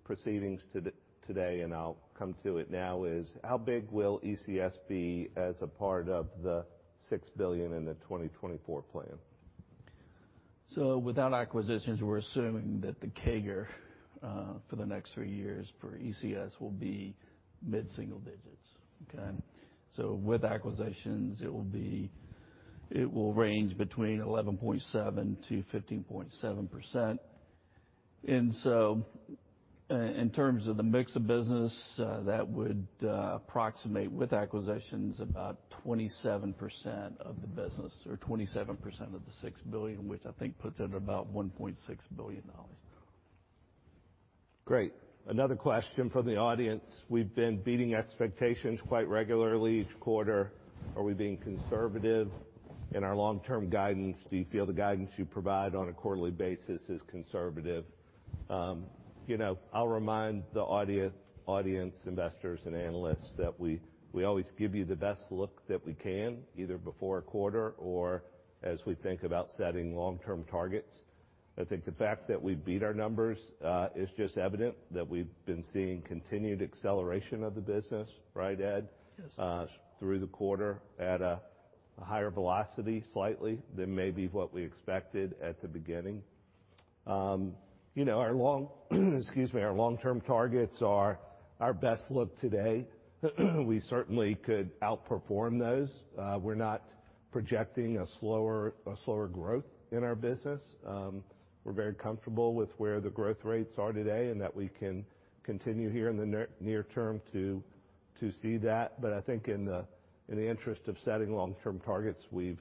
proceedings today, and I'll come to it now, is how big will ECS be as a part of the $6 billion in the 2024 plan? Without acquisitions, we're assuming that the CAGR for the next three years for ECS will be mid-single digits. Okay? With acquisitions, it will range between 11.7%-15.7%. In terms of the mix of business, that would approximate with acquisitions about 27% of the business or 27% of the $6 billion, which I think puts it at about $1.6 billion. Great. Another question from the audience. We've been beating expectations quite regularly each quarter. Are we being conservative? In our long-term guidance, do you feel the guidance you provide on a quarterly basis is conservative? I'll remind the Audience, Investors, and Analysts that we always give you the best look that we can, either before a quarter or as we think about setting long-term targets. I think the fact that we've beat our numbers is just evident that we've been seeing continued acceleration of the business, right, Ed? Yes. Through the quarter at a higher velocity slightly than maybe what we expected at the beginning. Our long-term targets are our best look today. We certainly could outperform those. We're not projecting a slower growth in our business. We're very comfortable with where the growth rates are today and that we can continue here in the near term to see that. I think in the interest of setting long-term targets, we've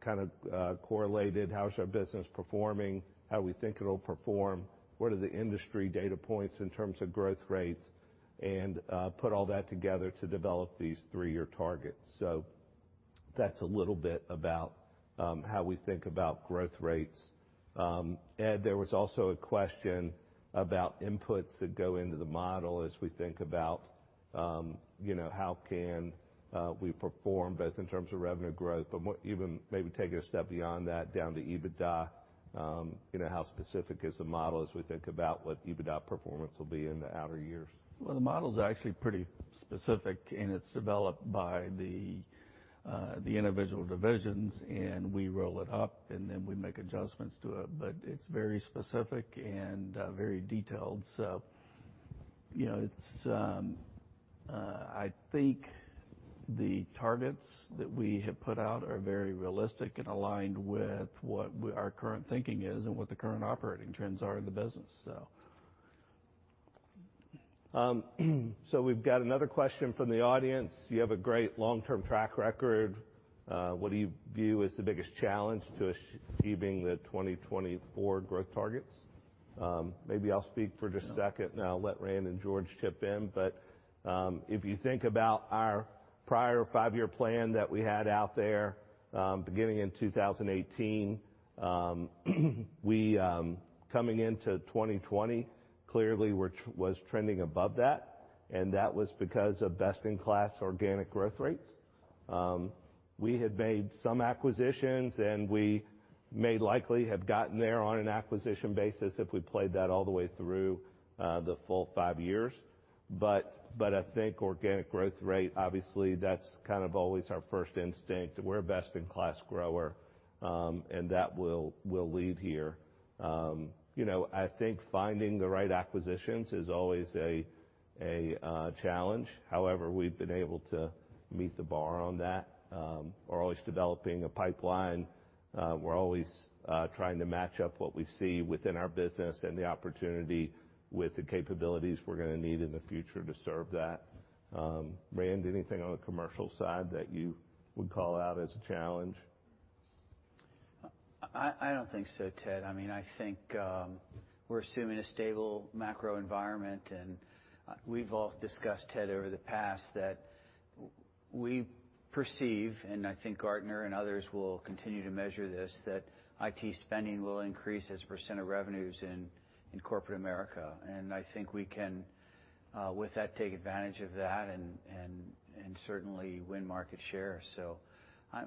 kind of correlated how's our business performing, how we think it'll perform, what are the industry data points in terms of growth rates, and put all that together to develop these three-year targets. That's a little bit about how we think about growth rates. Ed, there was also a question about inputs that go into the model as we think about how can we perform both in terms of revenue growth, but even maybe take it a step beyond that down to EBITDA. How specific is the model as we think about what EBITDA performance will be in the outer years? The model's actually pretty specific, and it's developed by the individual divisions, and we roll it up, and then we make adjustments to it. It's very specific and very detailed. I think the targets that we have put out are very realistic and aligned with what our current thinking is and what the current operating trends are in the business. We've got another question from the audience. You have a great long-term track record. What do you view as the biggest challenge to achieving the 2024 growth targets? Maybe I'll speak for just a second, and I'll let Rand and George chip in. If you think about our prior five-year plan that we had out there beginning in 2018, coming into 2020, clearly was trending above that, and that was because of Best-in-class organic growth rates. We had made some acquisitions, and we may likely have gotten there on an acquisition basis if we played that all the way through the full five years. I think organic growth rate, obviously, that's kind of always our 1st instinct. We're a Best-in-class grower, and that will lead here. I think finding the right acquisitions is always a challenge. However, we've been able to meet the bar on that. We're always developing a pipeline. We're always trying to match up what we see within our business and the opportunity with the capabilities we're going to need in the future to serve that. Rand, anything on the Commercial side that you would call out as a challenge? I don't think so, Ted. I mean, I think we're assuming a stable macro environment. We've all discussed, Ted, over the past that we perceive, and I think Gartner and others will continue to measure this, that IT spending will increase as a percent of revenues in corporate America. I think we can, with that, take advantage of that and certainly win market share. I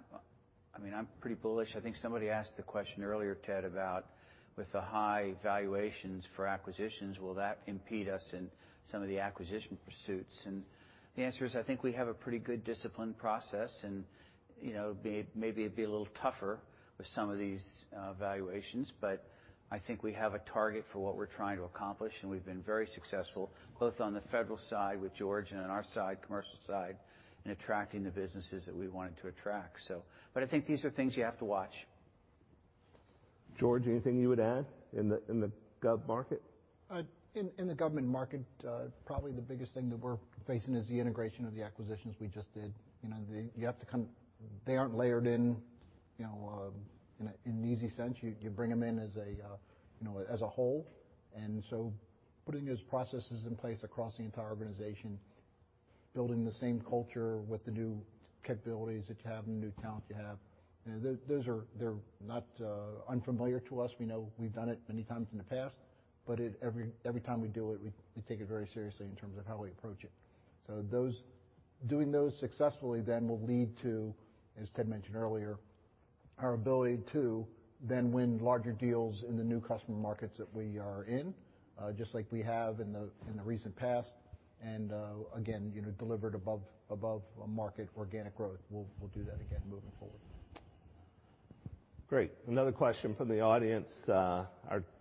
mean, I'm pretty bullish. I think somebody asked the question earlier, Ted, about with the high valuations for acquisitions, will that impede us in some of the acquisition pursuits? The answer is I think we have a pretty good discipline process, and maybe it'd be a little tougher with some of these valuations. I think we have a target for what we're trying to accomplish, and we've been very successful both on the Federal side with George and on our side, Commercial side, in attracting the businesses that we wanted to attract. I think these are things you have to watch. George, anything you would add in the gov market? In the Government market, probably the biggest thing that we're facing is the integration of the acquisitions we just did. You have to kind of, they aren't layered in, in an easy sense. You bring them in as a whole. Putting those processes in place across the entire organization, building the same culture with the new capabilities that you have and the new talent you have, those are not unfamiliar to us. We know we've done it many times in the past, but every time we do it, we take it very seriously in terms of how we approach it. Doing those successfully then will lead to, as Ted mentioned earlier, our ability to then win larger deals in the new customer markets that we are in, just like we have in the recent past. Again, delivered above market organic growth, we'll do that again moving forward. Great. Another question from the audience. Our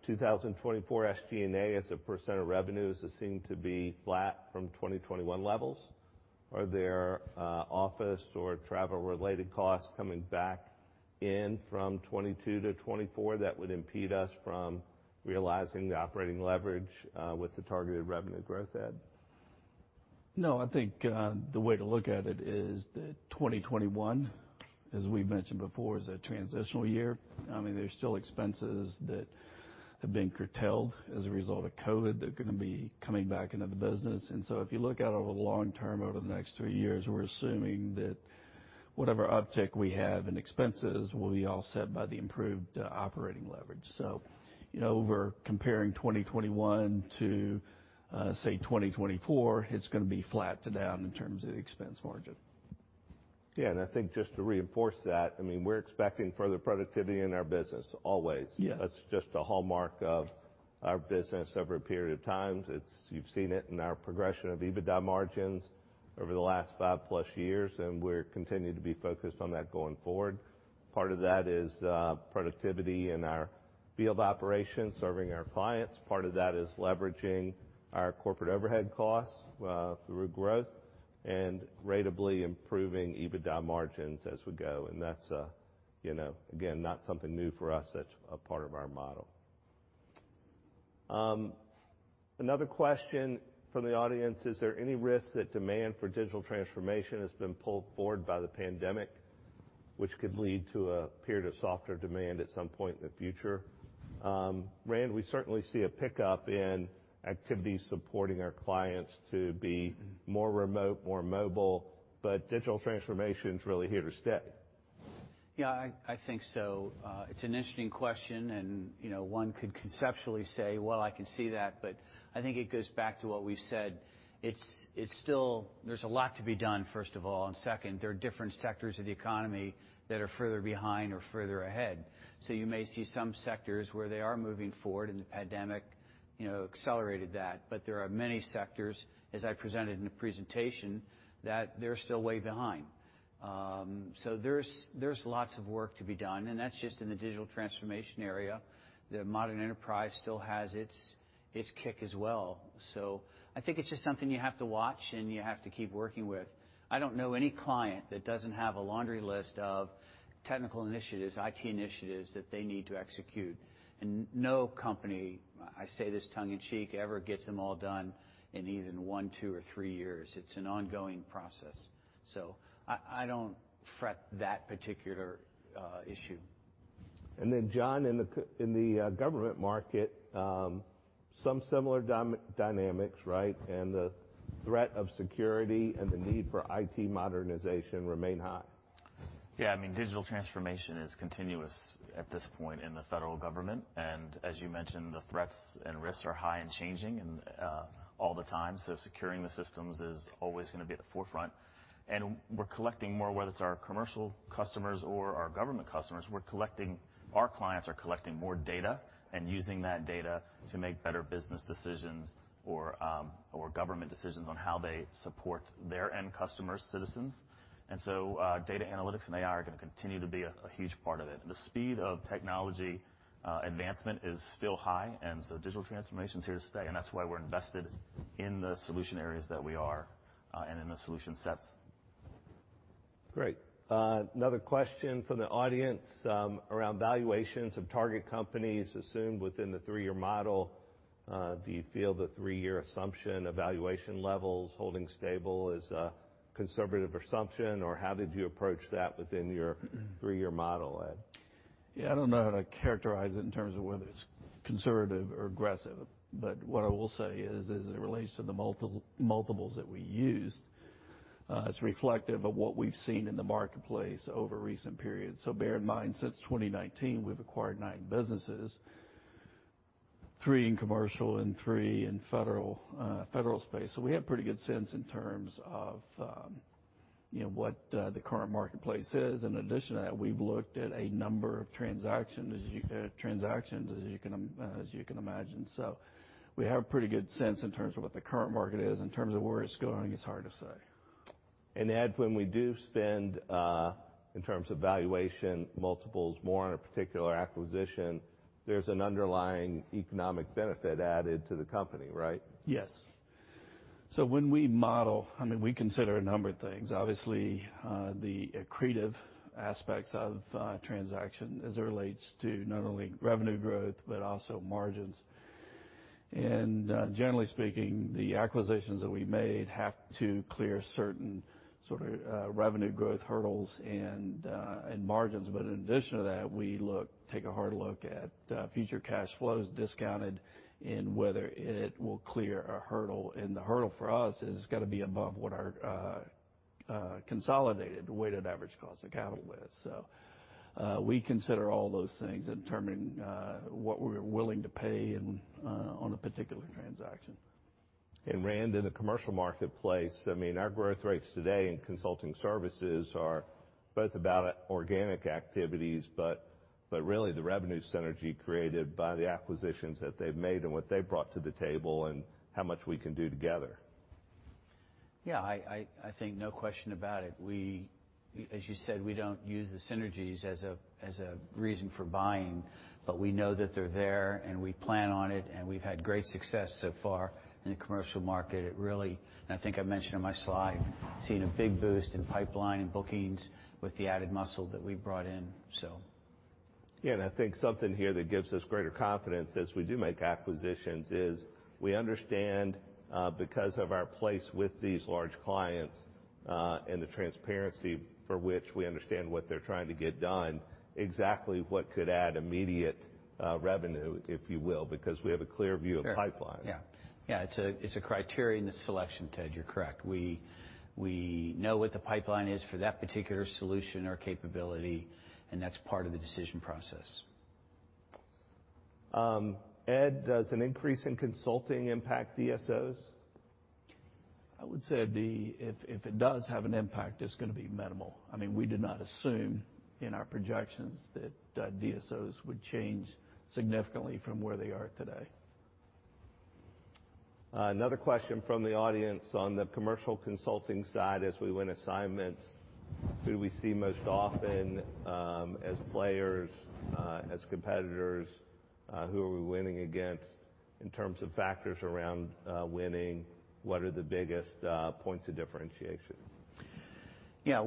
2024 SG&A as a percent of revenues has seemed to be flat from 2021 levels. Are there office or travel-related costs coming back in from 2022-2024 that would impede us from realizing the operating leverage with the targeted revenue growth, Ed? No, I think the way to look at it is that 2021, as we've mentioned before, is a transitional year. I mean, there's still expenses that have been curtailed as a result of COVID that are going to be coming back into the business. If you look at it over the long term over the next three years, we're assuming that whatever uptick we have in expenses will be offset by the improved operating leverage. Over comparing 2021 to, say, 2024, it's going to be flat to down in terms of the expense margin. Yeah. I think just to reinforce that, I mean, we're expecting further productivity in our business, always. That's just a hallmark of our business over a period of time. You've seen it in our progression of EBITDA margins over the last 5+ years, and we're continuing to be focused on that going forward. Part of that is productivity in our field operations serving our clients. Part of that is leveraging our corporate overhead costs through growth and ratably improving EBITDA margins as we go. That's, again, not something new for us. That's a part of our model. Another question from the audience. Is there any risk that demand for Digital Transformation has been pulled forward by the pandemic, which could lead to a period of softer demand at some point in the future? Rand, we certainly see a pickup in activities supporting our clients to be more remote, more mobile, but Digital Transformation is really here to stay. Yeah, I think so. It's an interesting question, and one could conceptually say, "Well, I can see that," but I think it goes back to what we've said. There's a lot to be done, first of all. Second, there are different sectors of the economy that are further behind or further ahead. You may see some sectors where they are moving forward, and the pandemic accelerated that. There are many sectors, as I presented in the presentation, that they're still way behind. There is lots of work to be done, and that is just in the Digital Transformation area. The modern enterprise still has its kick as well. I think it is just something you have to watch, and you have to keep working with. I do not know any client that does not have a laundry list of technical initiatives, IT initiatives that they need to execute. No company, I say this Tongue-in-cheek, ever gets them all done in even one, two, or three years. It is an ongoing process. I do not fret that particular issue. John, in the Government market, some similar dynamics, right? The threat of security and the need for IT modernization remain high. Yeah. I mean, Digital Transformation is continuous at this point in the Federal Government. As you mentioned, the threats and risks are high and changing all the time. Securing the systems is always going to be at the forefront. We're collecting more, whether it's our Commercial customers or our Government customers. Our clients are collecting more data and using that data to make better business decisions or Government decisions on how they support their end customers, citizens. Data Analytics and AI are going to continue to be a huge part of it. The speed of technology advancement is still high, and Digital Transformation is here to stay. That's why we're invested in the solution areas that we are and in the solution sets. Great. Another question from the audience around valuations of target companies assumed within the three-year model. Do you feel the three-year assumption of valuation levels holding stable is a conservative assumption, or how did you approach that within your three-year model, Ed? Yeah, I don't know how to characterize it in terms of whether it's conservative or aggressive. What I will say is, as it relates to the multiples that we used, it's reflective of what we've seen in the marketplace over recent periods. Bear in mind, since 2019, we've acquired nine businesses, three in Commercial and three in Federal space. We have pretty good sense in terms of what the current marketplace is. In addition to that, we've looked at a number of transactions, as you can imagine. We have pretty good sense in terms of what the current market is. In terms of where it's going, it's hard to say. Ed, when we do spend, in terms of valuation multiples, more on a particular acquisition, there's an underlying economic benefit added to the company, right? Yes. When we model, I mean, we consider a number of things. Obviously, the accretive aspects of transaction as it relates to not only revenue growth but also margins. Generally speaking, the acquisitions that we made have to clear certain sort of revenue growth hurdles and margins. In addition to that, we take a hard look at future Cash Flows discounted in whether it will clear a hurdle. The hurdle for us is going to be above what our consolidated weighted average cost of capital is. We consider all those things in determining what we're willing to pay on a particular transaction. Rand, in the Commercial marketplace, I mean, our growth rates today in consulting services are both about organic activities, but really the revenue synergy created by the acquisitions that they've made and what they've brought to the table and how much we can do together. Yeah, I think no question about it. As you said, we don't use the synergies as a reason for buying, but we know that they're there, and we plan on it, and we've had great success so far in the Commercial market. I think I mentioned on my slide, seeing a big boost in pipeline and bookings with the added muscle that we brought in, so. Yeah. I think something here that gives us greater confidence as we do make acquisitions is we understand, because of our place with these large clients and the transparency for which we understand what they're trying to get done, exactly what could add immediate revenue, if you will, because we have a clear view of pipeline. Yeah. Yeah, it's a criterion selection, Ted. You're correct. We know what the pipeline is for that particular solution or capability, and that's part of the decision process. Ed, does an increase in consulting impact DSOs? I would say if it does have an impact, it's going to be minimal. I mean, we did not assume in our projections that DSOs would change significantly from where they are today. Another question from the audience on the Commercial consulting side. As we win assignments, who do we see most often as players, as competitors? Who are we winning against in terms of factors around winning? What are the biggest points of differentiation? Yeah,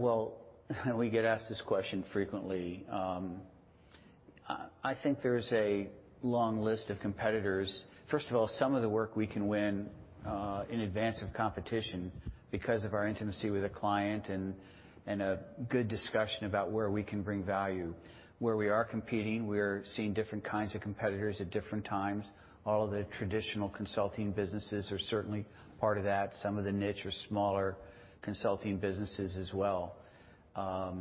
we get asked this question frequently. I think there's a long list of competitors. First of all, some of the work we can win in advance of competition because of our intimacy with a client and a good discussion about where we can bring value. Where we are competing, we're seeing different kinds of competitors at different times. All of the Traditional Consulting Businesses are certainly part of that. Some of the niche or smaller consulting businesses as well. I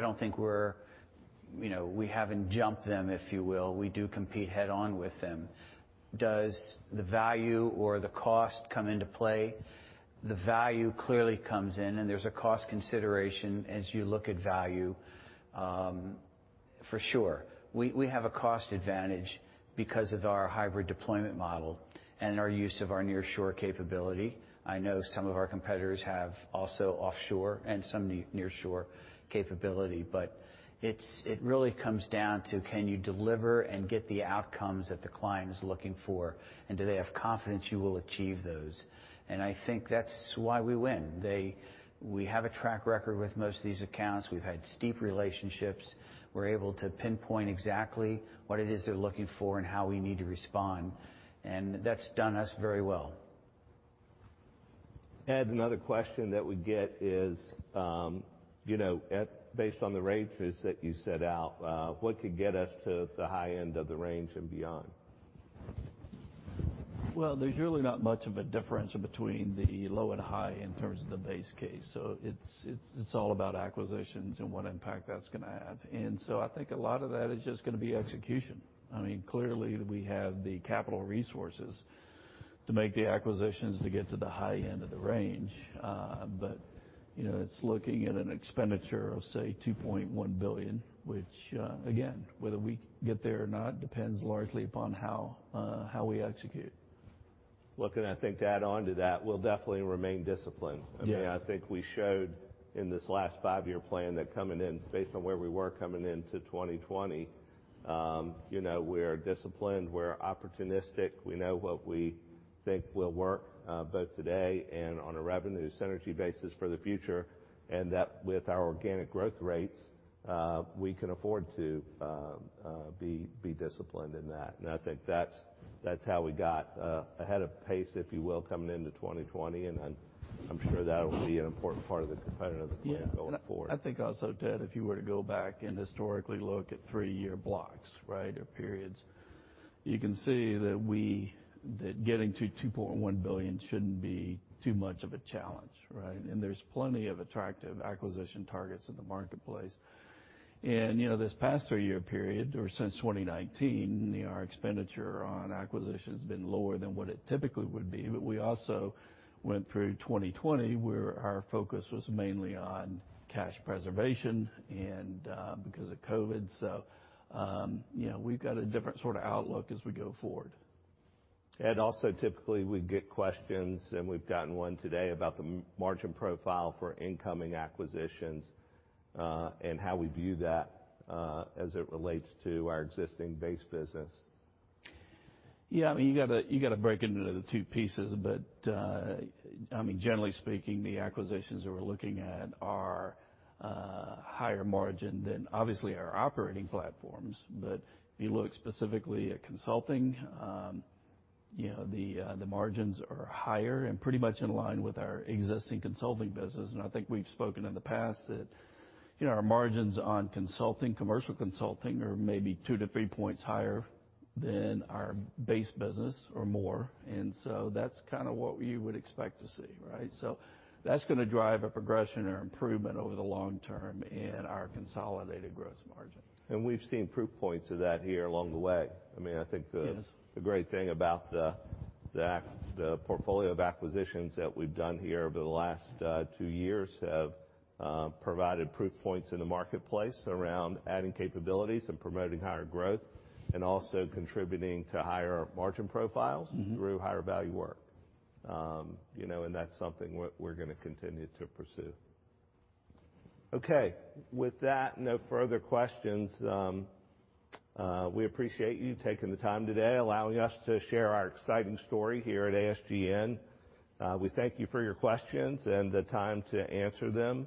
don't think we haven't jumped them, if you will. We do compete head-on with them. Does the value or the cost come into play? The value clearly comes in, and there's a cost consideration as you look at value, for sure. We have a cost advantage because of our Hybrid Deployment Model and our use of our near-shore capability. I know some of our competitors have also offshore and some near-shore capability. It really comes down to can you deliver and get the outcomes that the client is looking for, and do they have confidence you will achieve those? I think that's why we win. We have a track record with most of these accounts. We've had steep relationships. We're able to pinpoint exactly what it is they're looking for and how we need to respond. That's done us very well. Ed, another question that we get is, based on the range that you set out, what could get us to the high end of the range and beyond? There is really not much of a difference between the low and high in terms of the base case. It is all about acquisitions and what impact that is going to have. I think a lot of that is just going to be execution. I mean, clearly, we have the capital resources to make the acquisitions to get to the high end of the range. It is looking at an expenditure of, say, $2.1 billion, which, again, whether we get there or not depends largely upon how we execute. I think to add on to that, we will definitely remain disciplined. I mean, I think we showed in this last five-year plan that coming in, based on where we were coming into 2020, we are disciplined. We are opportunistic. We know what we think will work both today and on a Revenue Synergy basis for the future. With our organic growth rates, we can afford to be disciplined in that. I think that's how we got ahead of pace, if you will, coming into 2020. I'm sure that'll be an important part of the component of the plan going forward. I think also, Ted, if you were to go back and historically look at three-year blocks, right, or periods, you can see that getting to $2.1 billion shouldn't be too much of a challenge, right? There's plenty of attractive acquisition targets in the marketplace. This past three-year period, or since 2019, our expenditure on acquisitions has been lower than what it typically would be. We also went through 2020 where our focus was mainly on cash preservation because of COVID. We've got a different sort of outlook as we go forward. Ed, also typically we get questions, and we've gotten one today about the margin profile for incoming acquisitions and how we view that as it relates to our existing base business. Yeah. I mean, you got to break it into the two pieces. I mean, generally speaking, the acquisitions that we're looking at are higher margin than obviously our operating platforms. If you look specifically at consulting, the margins are higher and pretty much in line with our existing consulting business. I think we've spoken in the past that our margins on consulting, Commercial consulting, are maybe two to three points higher than our base business or more. That's kind of what you would expect to see, right? That's going to drive a progression or improvement over the long term in our consolidated gross margin. We have seen proof points of that here along the way. I mean, I think the great thing about the portfolio of acquisitions that we have done here over the last two years have provided proof points in the marketplace around adding capabilities and promoting higher growth and also contributing to higher margin profiles through higher value work. That is something we are going to continue to pursue. Okay. With that, no further questions. We appreciate you taking the time today, allowing us to share our exciting story here at ASGN. We thank you for your questions and the time to answer them.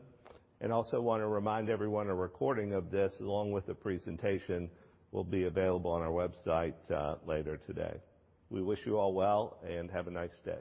I also want to remind everyone a recording of this, along with the presentation, will be available on our website later today. We wish you all well and have a nice day.